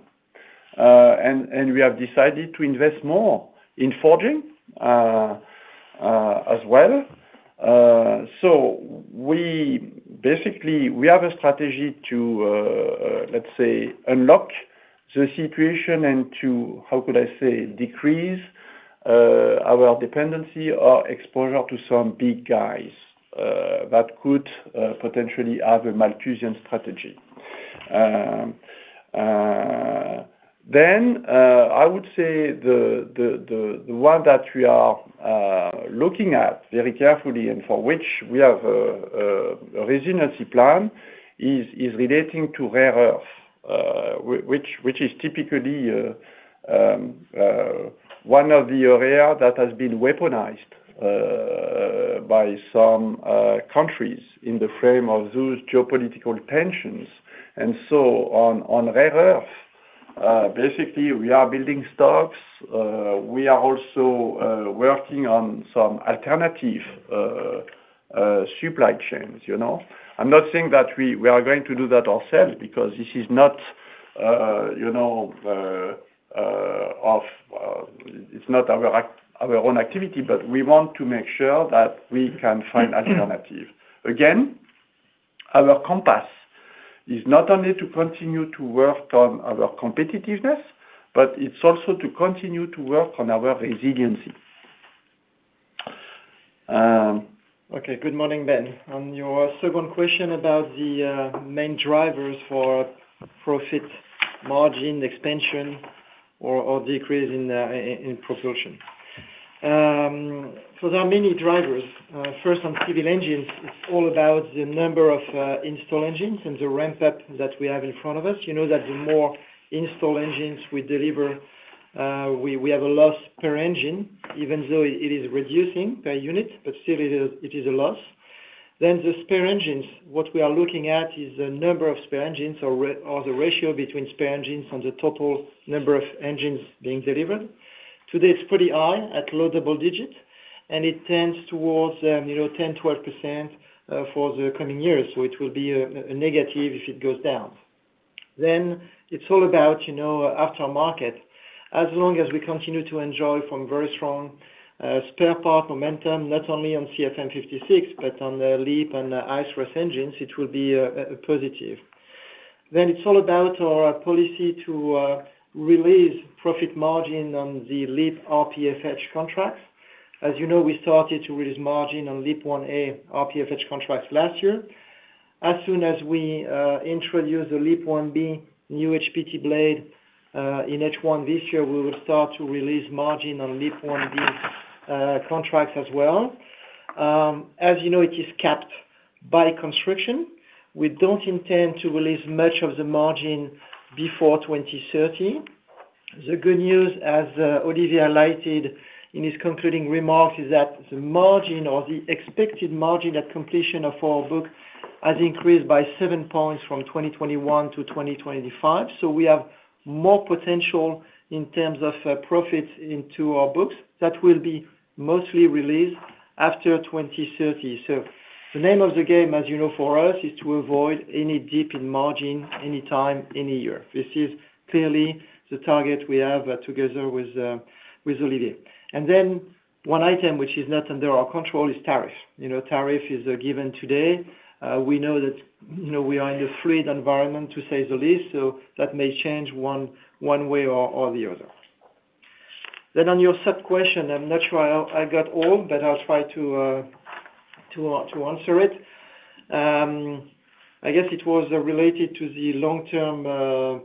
And we have decided to invest more in forging as well. So we basically have a strategy to, let's say, unlock the situation and to, how could I say, decrease our dependency or exposure to some big guys that could potentially have a Malthusian strategy. Then, I would say the one that we are looking at very carefully, and for which we have a resiliency plan, is relating to rare earth, which is typically one of the areas that has been weaponized by some countries in the frame of those geopolitical tensions. And so, on rare earth, basically we are building stocks, we are also working on some alternative supply chains, you know? I'm not saying that we are going to do that ourselves because this is not, you know, it's not our own activity, but we want to make sure that we can find alternative. Again, our compass is not only to continue to work on our competitiveness, but it's also to continue to work on our resiliency. Okay, good morning, Ben. On your second question about the main drivers for profit margin expansion or decrease in Propulsion. So there are many drivers. First, on civil engines, it's all about the number of installed engines and the ramp up that we have in front of us. You know that the more installed engines we deliver, we have a loss per engine, even though it is reducing per unit, but still it is a loss. Then the spare engines, what we are looking at is the number of spare engines or the ratio between spare engines from the total number of engines being delivered. Today, it's pretty high at low double digits, and it tends towards, you know, 10, 12% for the coming years. So it will be a negative if it goes down. Then it's all about, you know, aftermarket. As long as we continue to enjoy from very strong spare part momentum, not only on CFM56, but on the LEAP and GEnx engines, it will be a positive. Then it's all about our policy to release profit margin on the LEAP RPFH contracts. As you know, we started to release margin on LEAP-1A RPFH contracts last year. As soon as we introduce the LEAP-1B new HPT blade in H1 this year, we will start to release margin on LEAP-1B contracts as well. As you know, it is capped by construction. We don't intend to release much of the margin before 2030. The good news, as Olivier highlighted in his concluding remarks, is that the margin or the expected margin at completion of our book has increased by seven points from 2021 to 2025. So we have more potential in terms of profits into our books. That will be mostly released after 2030. So the name of the game, as you know, for us, is to avoid any dip in margin, anytime, any year. This is clearly the target we have together with with Olivier. And then one item which is not under our control is tariff. You know, tariff is a given today. We know that, you know, we are in a fluid environment, to say the least, so that may change one way or the other. Then on your sub question, I'm not sure I got all, but I'll try to answer it. I guess it was related to the long-term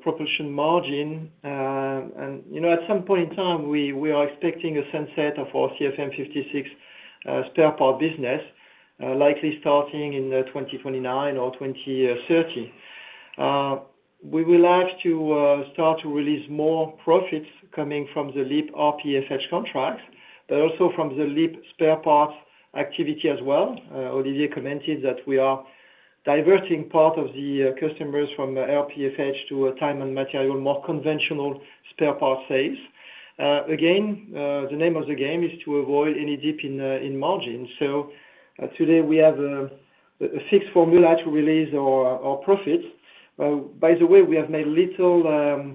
Propulsion margin. And, you know, at some point in time, we are expecting a sunset of our CFM56 spare part business, likely starting in 2029 or 2030. We will have to start to release more profits coming from the LEAP RPFH contracts, but also from the LEAP spare parts activity as well. Olivier commented that we are diverting part of the customers from RPFH to a time and material, more conventional spare parts sales. Again, the name of the game is to avoid any dip in margin. So, today we have a fixed formula to release our profits. By the way, we have made little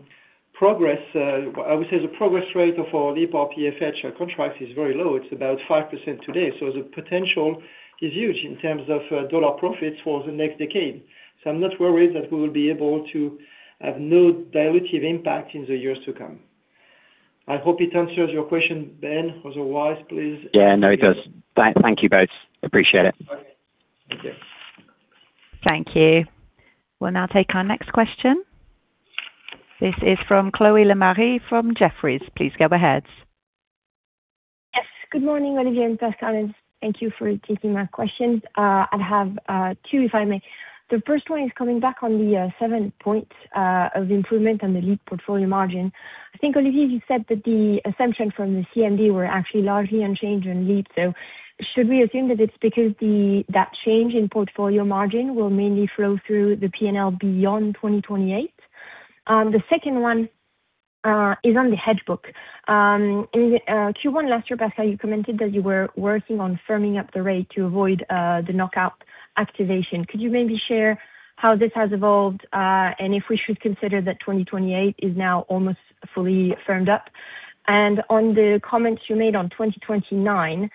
progress. I would say the progress rate of our LEAP RPFH contracts is very low. It's about 5% today. So the potential is huge in terms of dollar profits for the next decade. So I'm not worried that we will be able to have no dilutive impact in the years to come. I hope it answers your question, Ben. Otherwise, please- Yeah, no, it does. Thank you both. Appreciate it. Okay. Thank you. We'll now take our next question. This is from Chloé Lemarié from Jefferies. Please go ahead. Yes. Good morning, Olivier and Pascal. Thank you for taking my questions. I have two, if I may. The first one is coming back on the seven points of improvement on the LEAP portfolio margin. I think, Olivier, you said that the assumption from the CMD were actually largely unchanged in LEAP. So should we assume that it's because that change in portfolio margin will mainly flow through the P&L beyond 2028? The second one is on the hedge book. In Q1 last year, Pascal, you commented that you were working on firming up the rate to avoid the knockout activation. Could you maybe share how this has evolved, and if we should consider that 2028 is now almost fully firmed up? On the comments you made on 2029,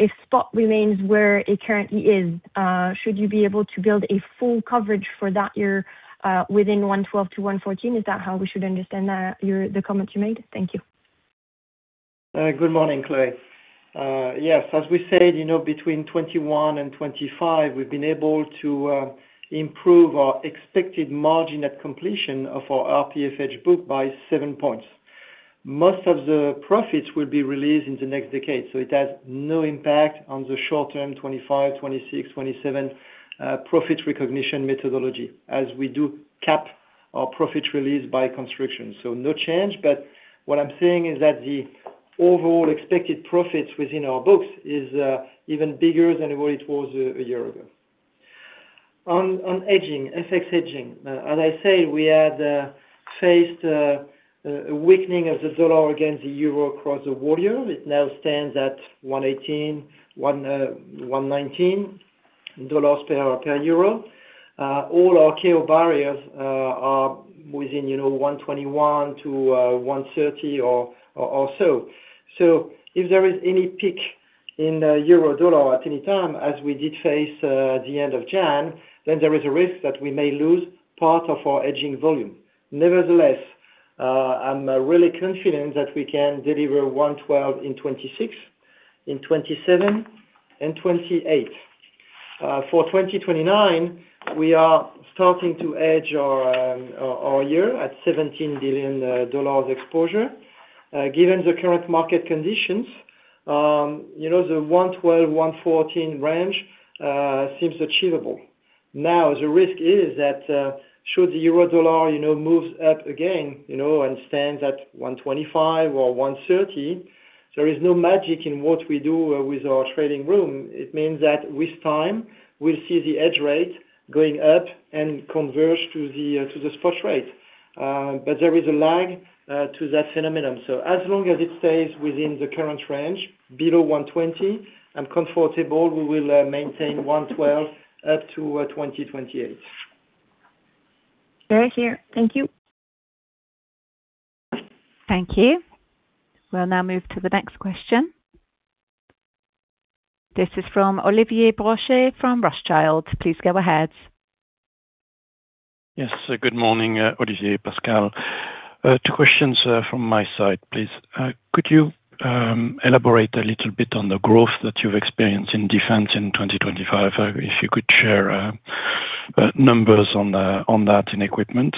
if spot remains where it currently is, should you be able to build a full coverage for that year, within 1.12-1.14? Is that how we should understand that, your, the comments you made? Thank you. Good morning, Chloé. Yes, as we said, you know, between 2021 and 2025, we've been able to improve our expected margin at completion of our RPFH book by 7 points. Most of the profits will be released in the next decade, so it has no impact on the short term, 2025, 2026, 2027, profit recognition methodology, as we do cap our profit release by construction. So no change, but what I'm saying is that the overall expected profits within our books is even bigger than what it was a year ago. On hedging, FX hedging, as I say, we had faced a weakening of the dollar against the euro across the world. It now stands at $1.18-$1.19 per euro. All our KO barriers are within, you know, 1.21-1.30 or so. So if there is any peak in the euro dollar at any time, as we did face the end of January, then there is a risk that we may lose part of our hedging volume. Nevertheless, I'm really confident that we can deliver 1.12 in 2026, in 2027, and 2028. For 2029, we are starting to hedge our year at $17 billion dollars exposure. Given the current market conditions, you know, the 1.12-1.14 range seems achievable. Now, the risk is that should the euro dollar, you know, move up again, you know, and stands at 1.25 or 1.30, there is no magic in what we do with our trading room. It means that with time, we'll see the hedge rate going up and converge to the spot rate. But there is a lag to that phenomenon. So as long as it stays within the current range, below 1.20, I'm comfortable we will maintain 1.12 up to 2028. Clear here. Thank you. Thank you. We'll now move to the next question. This is from Olivier Brochet from Rothschild. Please go ahead. Yes, good morning, Olivier, Pascal. Two questions from my side, please. Could you elaborate a little bit on the growth that you've experienced in defense in 2025? If you could share numbers on that in equipment.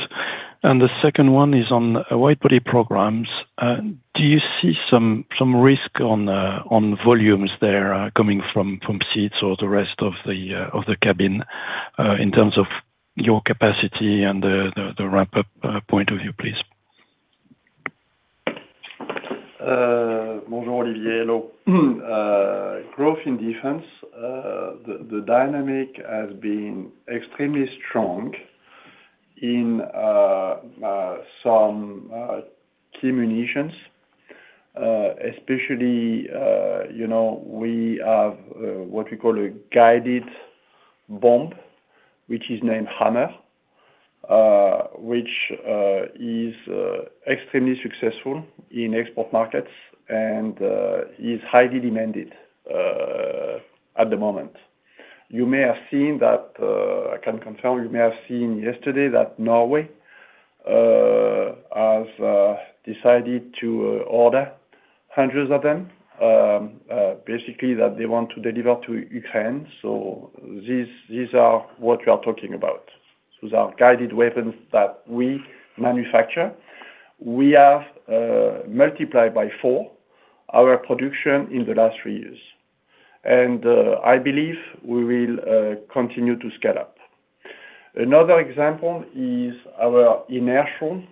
And the second one is on wide body programs. Do you see some risk on volumes there, coming from Seats or the rest of the Cabin, in terms of your capacity and the wrap up point of view, please? Bonjour, Olivier. Hello. Growth in defense, the dynamic has been extremely strong in some key munitions. Especially, you know, we have what we call a guided bomb, which is named Hammer, which is extremely successful in export markets and is highly demanded at the moment. You may have seen that, I can confirm, you may have seen yesterday that Norway has decided to order hundreds of them, basically that they want to deliver to Ukraine. So these, these are what we are talking about. These are guided weapons that we manufacture. We have multiplied by four our production in the last three years, and I believe we will continue to scale up. Another example is our inertial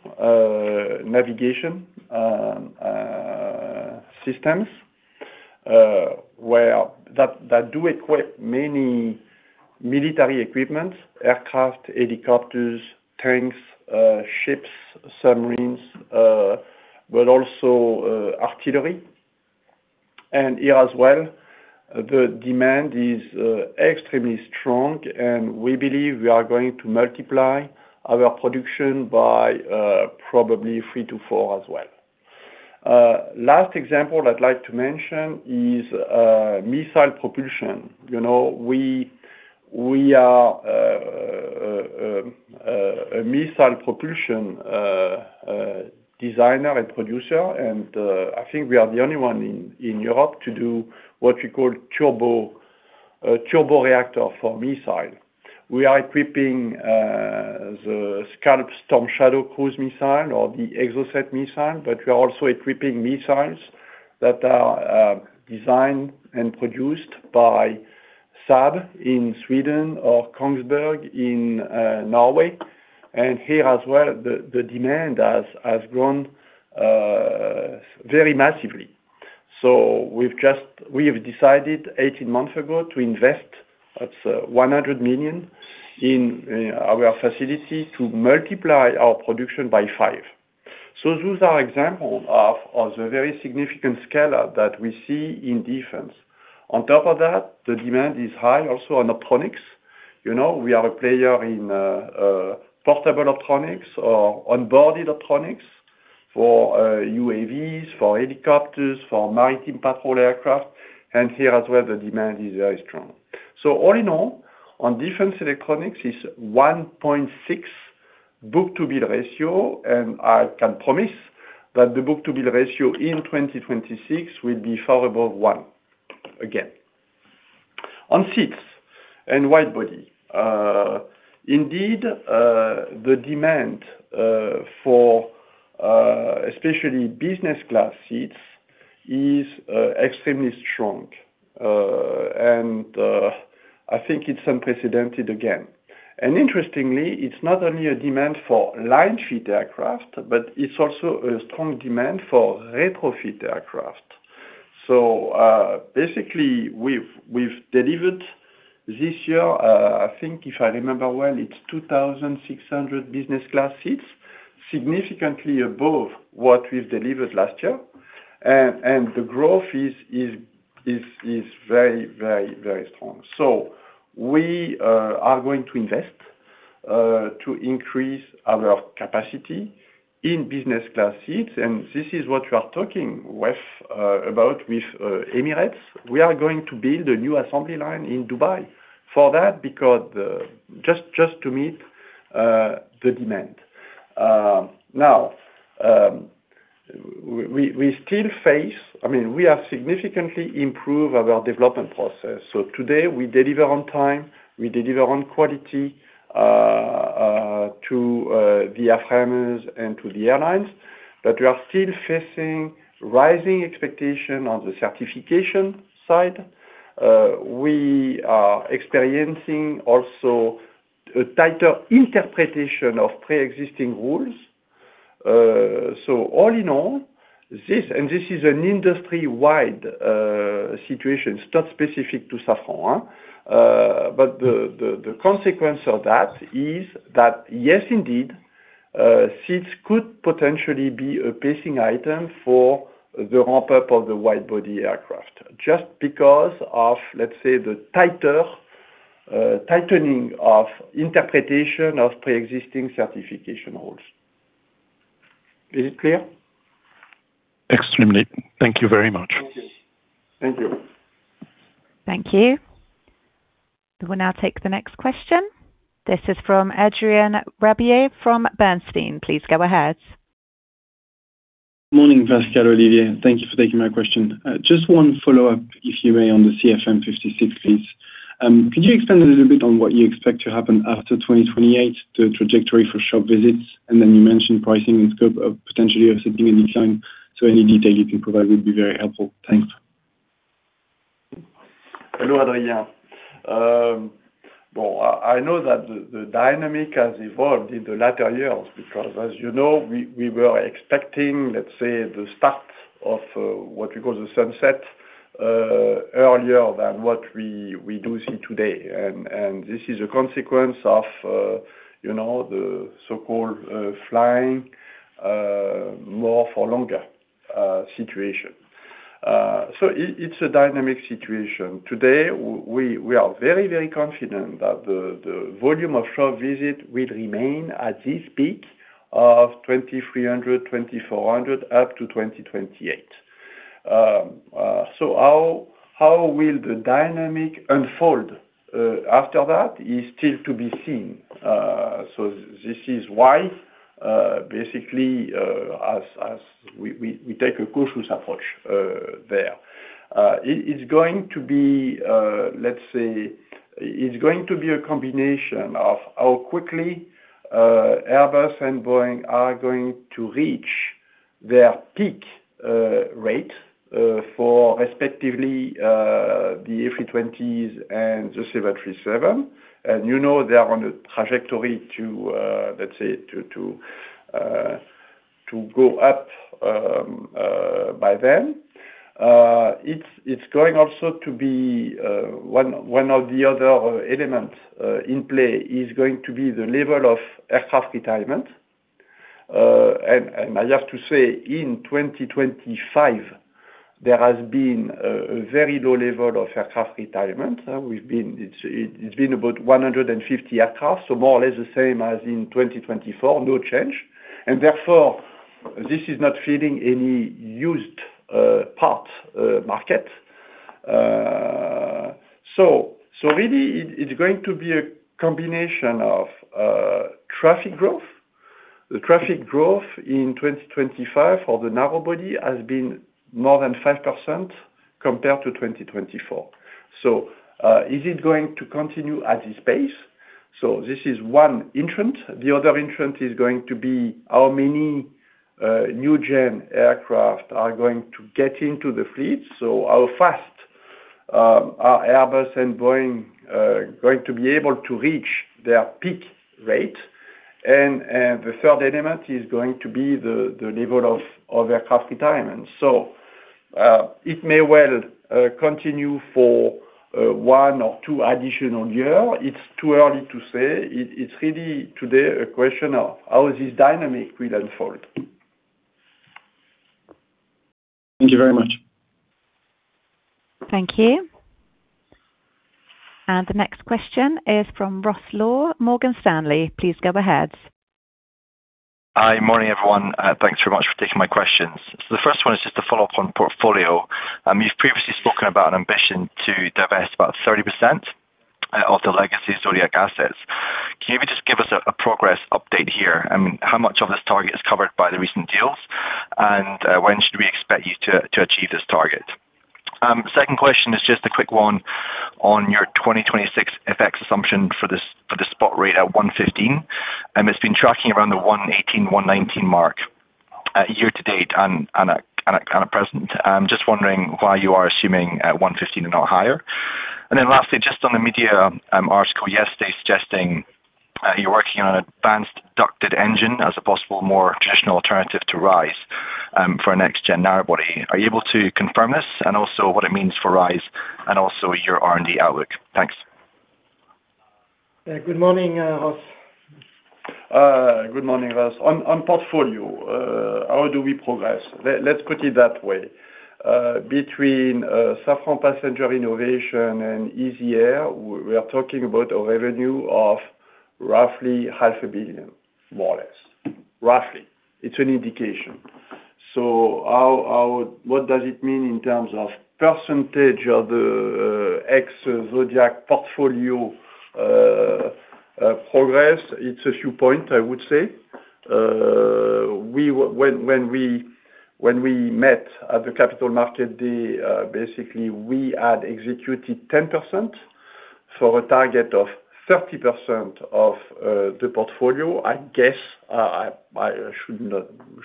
navigation systems, where that do equip many military equipment, aircraft, helicopters, tanks, ships, submarines, but also artillery. And here as well, the demand is extremely strong, and we believe we are going to multiply our production by probably 3-4 as well. Last example I'd like to mention is missile propulsion. You know, we are a missile propulsion designer and producer, and I think we are the only one in Europe to do what we call turbojet for missile. We are equipping the SCALP Storm Shadow cruise missile or the Exocet missile, but we are also equipping missiles that are designed and produced by Saab in Sweden or Kongsberg in Norway. And here as well, the demand has grown very massively. So we've decided 18 months ago to invest up to 100 million in our facility to multiply our production by five. So those are examples of the very significant scale up that we see in defense. On top of that, the demand is high also on optronics. You know, we are a player in portable optronics or on-boarded optronics for UAVs, for helicopters, for maritime patrol aircraft, and here as well, the demand is very strong. So all in all, on defense electronics is 1.6 book-to-bill ratio, and I can promise that the book-to-bill ratio in 2026 will be far above one again. On Seats and wide body, indeed, the demand business class seats is extremely strong, and I think it's unprecedented again. And interestingly, it's not only a demand for line fit aircraft, but it's also a strong demand for retrofit aircraft. So basically, we've delivered this year, I think if I remember business class seats, significantly above what we've delivered last year. And the growth is very, very, very strong. So we are going to invest to increase our business class seats, and this is what we are talking about with Emirates. We are going to build a new assembly line in Dubai for that, because just to meet the demand. Now, I mean, we have significantly improved our development process. So today, we deliver on time, we deliver on quality, to the airframers and to the airlines, but we are still facing rising expectation on the certification side. We are experiencing also a tighter interpretation of pre-existing rules. So all in all, this, and this is an industry-wide situation, it's not specific to Safran, but the consequence of that is that yes, indeed, Seats could potentially be a pacing item for the ramp up of the wide body aircraft. Just because of, let's say, the tighter tightening of interpretation of pre-existing certification rules. Is it clear? Extremely. Thank you very much. Thank you. Thank you. Thank you. We'll now take the next question. This is from Adrien Rabier from Bernstein. Please go ahead. Morning, Pascal, Olivier. Thank you for taking my question. Just one follow-up, if you may, on the CFM56, please. Could you expand a little bit on what you expect to happen after 2028, the trajectory for shop visits? And then you mentioned pricing in scope of potentially of significant decline, so any detail you can provide would be very helpful. Thanks. Hello, Adrian. Well, I know that the dynamic has evolved in the latter years, because as you know, we were expecting, let's say, the start of what we call the sunset earlier than what we do see today. And this is a consequence of, you know, the so-called flying more for longer situation. So it's a dynamic situation. Today, we are very, very confident that the volume of shop visit will remain at this peak of 2,300, 2,400, up to 2028. So how will the dynamic unfold after that is still to be seen. So this is why, basically, as we take a cautious approach there. It's going to be, let's say, it's going to be a combination of how quickly Airbus and Boeing are going to reach their peak rate for respectively the A320s and the 737. And, you know, they are on a trajectory to, let's say, to go up by then. It's going also to be one of the other element in play, is going to be the level of aircraft retirement. And I have to say, in 2025, there has been a very low level of aircraft retirement. It's been about 150 aircraft, so more or less the same as in 2024, no change, and therefore, this is not feeding any used parts market. So really, it's going to be a combination of traffic growth. The traffic growth in 2025 for the narrow body has been more than 5% compared to 2024. So, is it going to continue at this pace? So this is one entrant. The other entrant is going to be how many new gen aircraft are going to get into the fleet. So how fast are Airbus and Boeing going to be able to reach their peak rate? And the third element is going to be the level of aircraft retirement. So, it may well continue for one or two additional year. It's too early to say. It's really today a question of how this dynamic will unfold. Thank you very much. Thank you. And the next question is from Ross Law, Morgan Stanley. Please go ahead. Hi. Morning, everyone, thanks very much for taking my questions. So the first one is just to follow up on portfolio. You've previously spoken about an ambition to divest about 30% of the legacy Zodiac assets. Can you just give us a progress update here? I mean, how much of this target is covered by the recent deals, and when should we expect you to achieve this target? Second question is just a quick one on your 2026 FX assumption for the spot rate at 1.15, it's been tracking around the 1.18, 1.19 mark, year to date and at present. I'm just wondering why you are assuming at 1.15 and not higher? And then lastly, just on the media article yesterday suggesting you're working on an advanced ducted engine as a possible, more traditional alternative to RISE for a next gen narrow body. Are you able to confirm this, and also what it means for RISE and also your R&D outlook? Thanks. Good morning, Ross. On portfolio, how do we progress? Let's put it that way, between Safran Passenger Innovations and EZ Air, we are talking about a revenue of roughly 500 million, more or less, roughly. It's an indication. So what does it mean in terms of percentage of the ex-Zodiac portfolio progress? It's a few point, I would say. When we met at the Capital Markets Day, basically we had executed 10% for a target of 30% of the portfolio. I guess,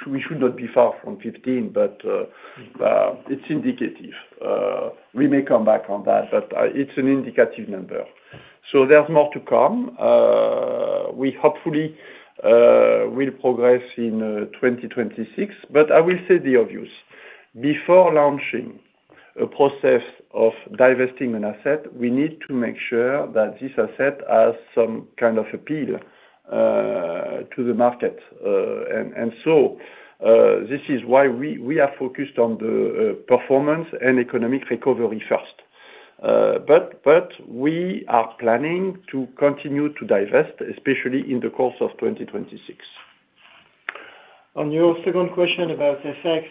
we should not be far from 15, but it's indicative. We may come back on that, but it's an indicative number. So there's more to come. We hopefully will progress in 2026. But I will say the obvious, before launching a process of divesting an asset, we need to make sure that this asset has some kind of appeal to the market. And so this is why we are focused on the performance and economic recovery first. But we are planning to continue to divest, especially in the course of 2026. On your second question about FX,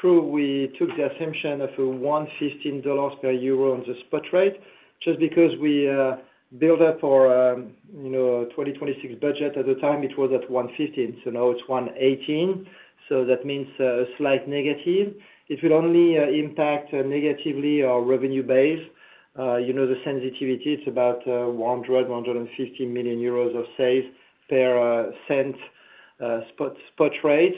true, we took the assumption of $1.15 per euro on the spot rate, just because we built up our you know 2026 budget. At the time, it was at $1.15, so now it's $1.18, so that means a slight negative. It will only impact negatively our revenue base. You know, the sensitivity, it's about 100 million-150 million euros of sales per percent spot rate.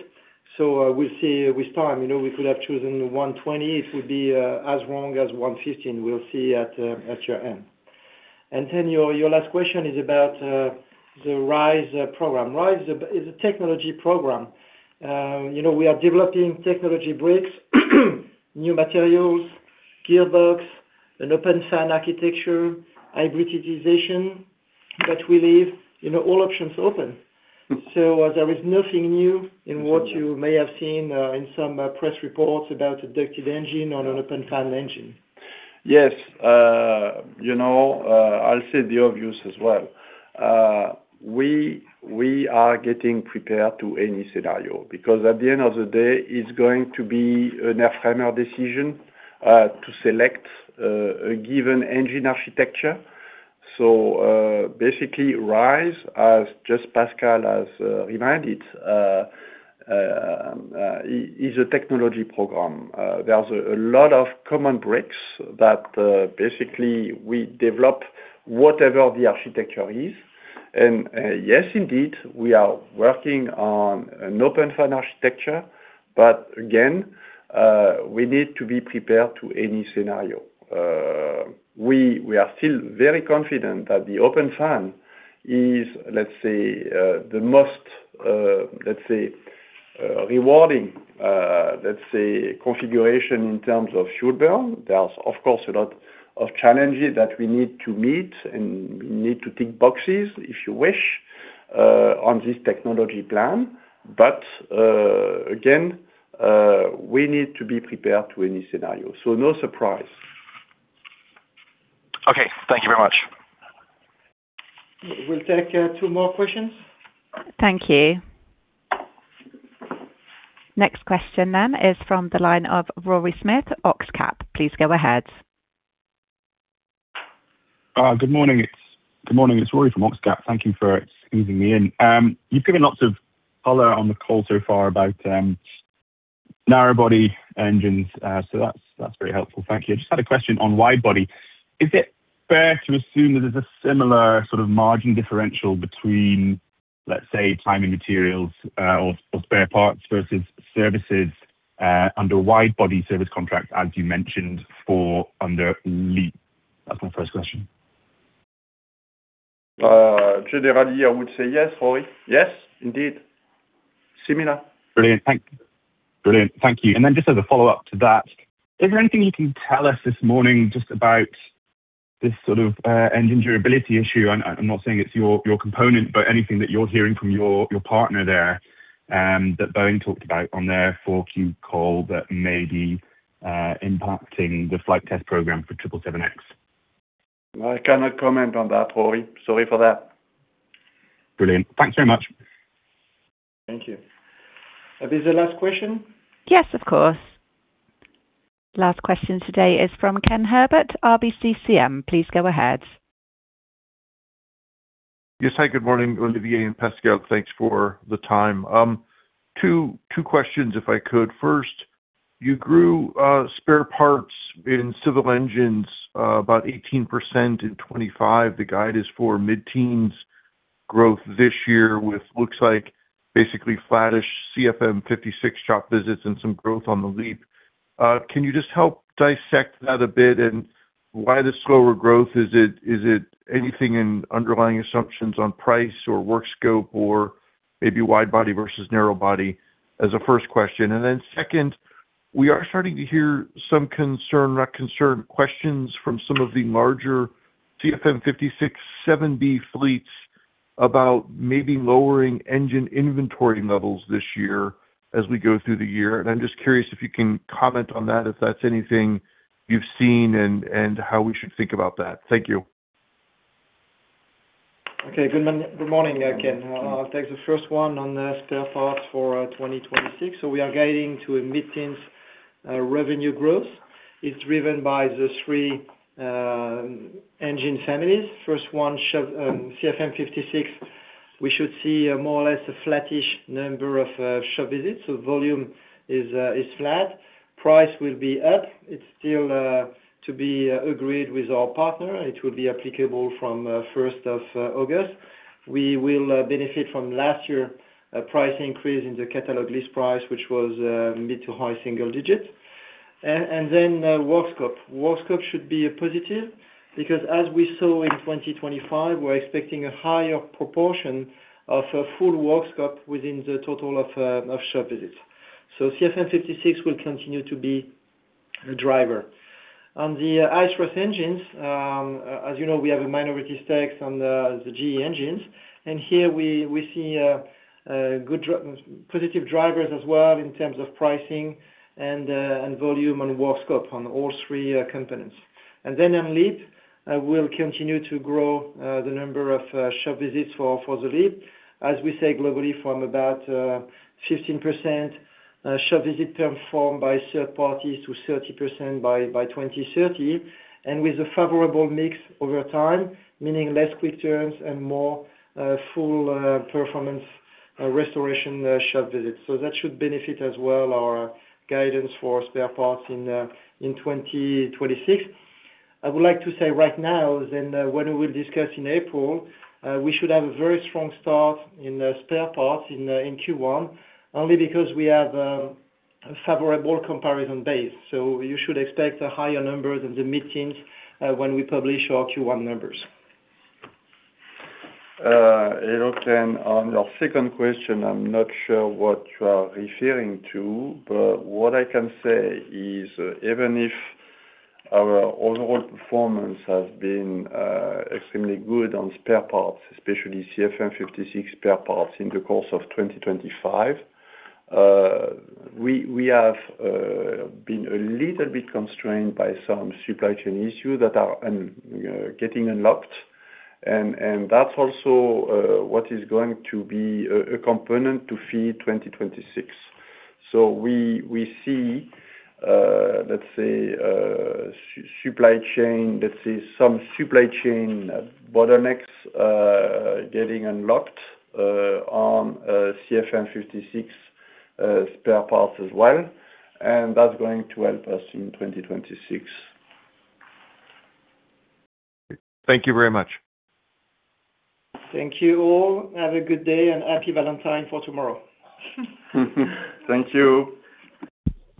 So, we'll see with time. You know, we could have chosen $1.20, it would be as wrong as $1.15. We'll see at year end. And then your last question is about the RISE program. RISE is a technology program. You know, we are developing technology breaks, new materials, gearbox, an open fan architecture, hybridization, but we leave, you know, all options open. So there is nothing new in what you may have seen in some press reports about a ducted engine or an open fan engine. Yes. You know, I'll say the obvious as well. We are getting prepared to any scenario, because at the end of the day, it's going to be an airframer decision to select a given engine architecture. So, basically, RISE, as just Pascal has reminded, is a technology program. There's a lot of common breaks that basically we develop whatever the architecture is. And yes, indeed, we are working on an open fan architecture, but again, we need to be prepared to any scenario. We are still very confident that the open fan is, let's say, the most rewarding configuration in terms of fuel burn. There are, of course, a lot of challenges that we need to meet, and we need to tick boxes, if you wish, on this technology plan. But, again, we need to be prepared to any scenario, so no surprise. Okay, thank you very much. We'll take two more questions. Thank you. Next question then is from the line of Rory Smith, OxCap. Please go ahead. Good morning. It's good morning, it's Rory from OxCap. Thank you for easing me in. You've given lots of color on the call so far about narrow body engines, so that's, that's very helpful. Thank you. I just had a question on wide body. Is it fair to assume that there's a similar sort of margin differential between, let's say, titanium materials, or spare parts versus services, under wide body service contract, as you mentioned, for under LEAP? That's my first question. Generally, I would say yes, Rory. Yes, indeed. Similar. Brilliant, thank you. And then just as a follow-up to that, is there anything you can tell us this morning just about this sort of engine durability issue? I'm not saying it's your component, but anything that you're hearing from your partner there that Boeing talked about on their 4Q call, that may be impacting the flight test program for 777X? I cannot comment on that, Rory. Sorry for that. Brilliant. Thank you so much. Thank you. Is this the last question? Yes, of course. Last question today is from Ken Herbert, RBCCM. Please go ahead. Yes. Hi, good morning, Olivier and Pascal. Thanks for the time. Two questions, if I could. First, you grew spare parts in civil engines about 18% in 2025. The guide is for mid-teens growth this year, with looks like basically flattish CFM56 shop visits and some growth on the LEAP. Can you just help dissect that a bit, and why the slower growth? Is it anything in underlying assumptions on price or work scope or maybe wide body versus narrow body? As a first question. And then second, we are starting to hear some concern, not concern, questions from some of the larger CFM56-7B fleets about maybe lowering engine inventory levels this year as we go through the year. And I'm just curious if you can comment on that, if that's anything you've seen and how we should think about that. Thank you. Okay. Good morning again, Ken. I'll take the first one on the spare parts for 2026. So we are guiding to a mid-teens revenue growth is driven by the three engine families. First one, CFM56, we should see a more or less flattish number of shop visits, so volume is flat. Price will be up. It's still to be agreed with our partner, and it will be applicable from first of August. We will benefit from last year price increase in the catalog list price, which was mid- to high-single digits. And then work scope. Work scope should be a positive, because as we saw in 2025, we're expecting a higher proportion of a full work scope within the total of shop visits. So CFM56 will continue to be a driver. On the IAE engines, as you know, we have a minority stakes on the, the GE engines, and here we, we see, good positive drivers as well, in terms of pricing and, and volume on work scope on all three, components. And then on LEAP, we'll continue to grow, the number of, shop visits for, for the LEAP, as we say, globally, from about, 15%, shop visit performed by third parties to 30% by, by 2030. And with a favorable mix over time, meaning less quick turns and more, full, performance, restoration, shop visits. So that should benefit as well our guidance for spare parts in, in 2026. I would like to say right now, then, what we'll discuss in April, we should have a very strong start in the spare parts in, in Q1, only because we have a favorable comparison base. So you should expect a higher number than the mid-teens, when we publish our Q1 numbers. Okay. On your second question, I'm not sure what you are referring to, but what I can say is, even if our overall performance has been extremely good on spare parts, especially CFM56 spare parts in the course of 2025, we have been a little bit constrained by some supply chain issues that are getting unlocked. And that's also what is going to be a component to feed 2026. So we see, let's say, supply chain, let's say some supply chain bottlenecks getting unlocked on CFM56 spare parts as well, and that's going to help us in 2026. Thank you very much. Thank you all. Have a good day, and happy Valentine for tomorrow. Thank you.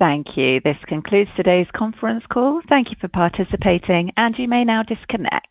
Thank you. This concludes today's conference call. Thank you for participating, and you may now disconnect.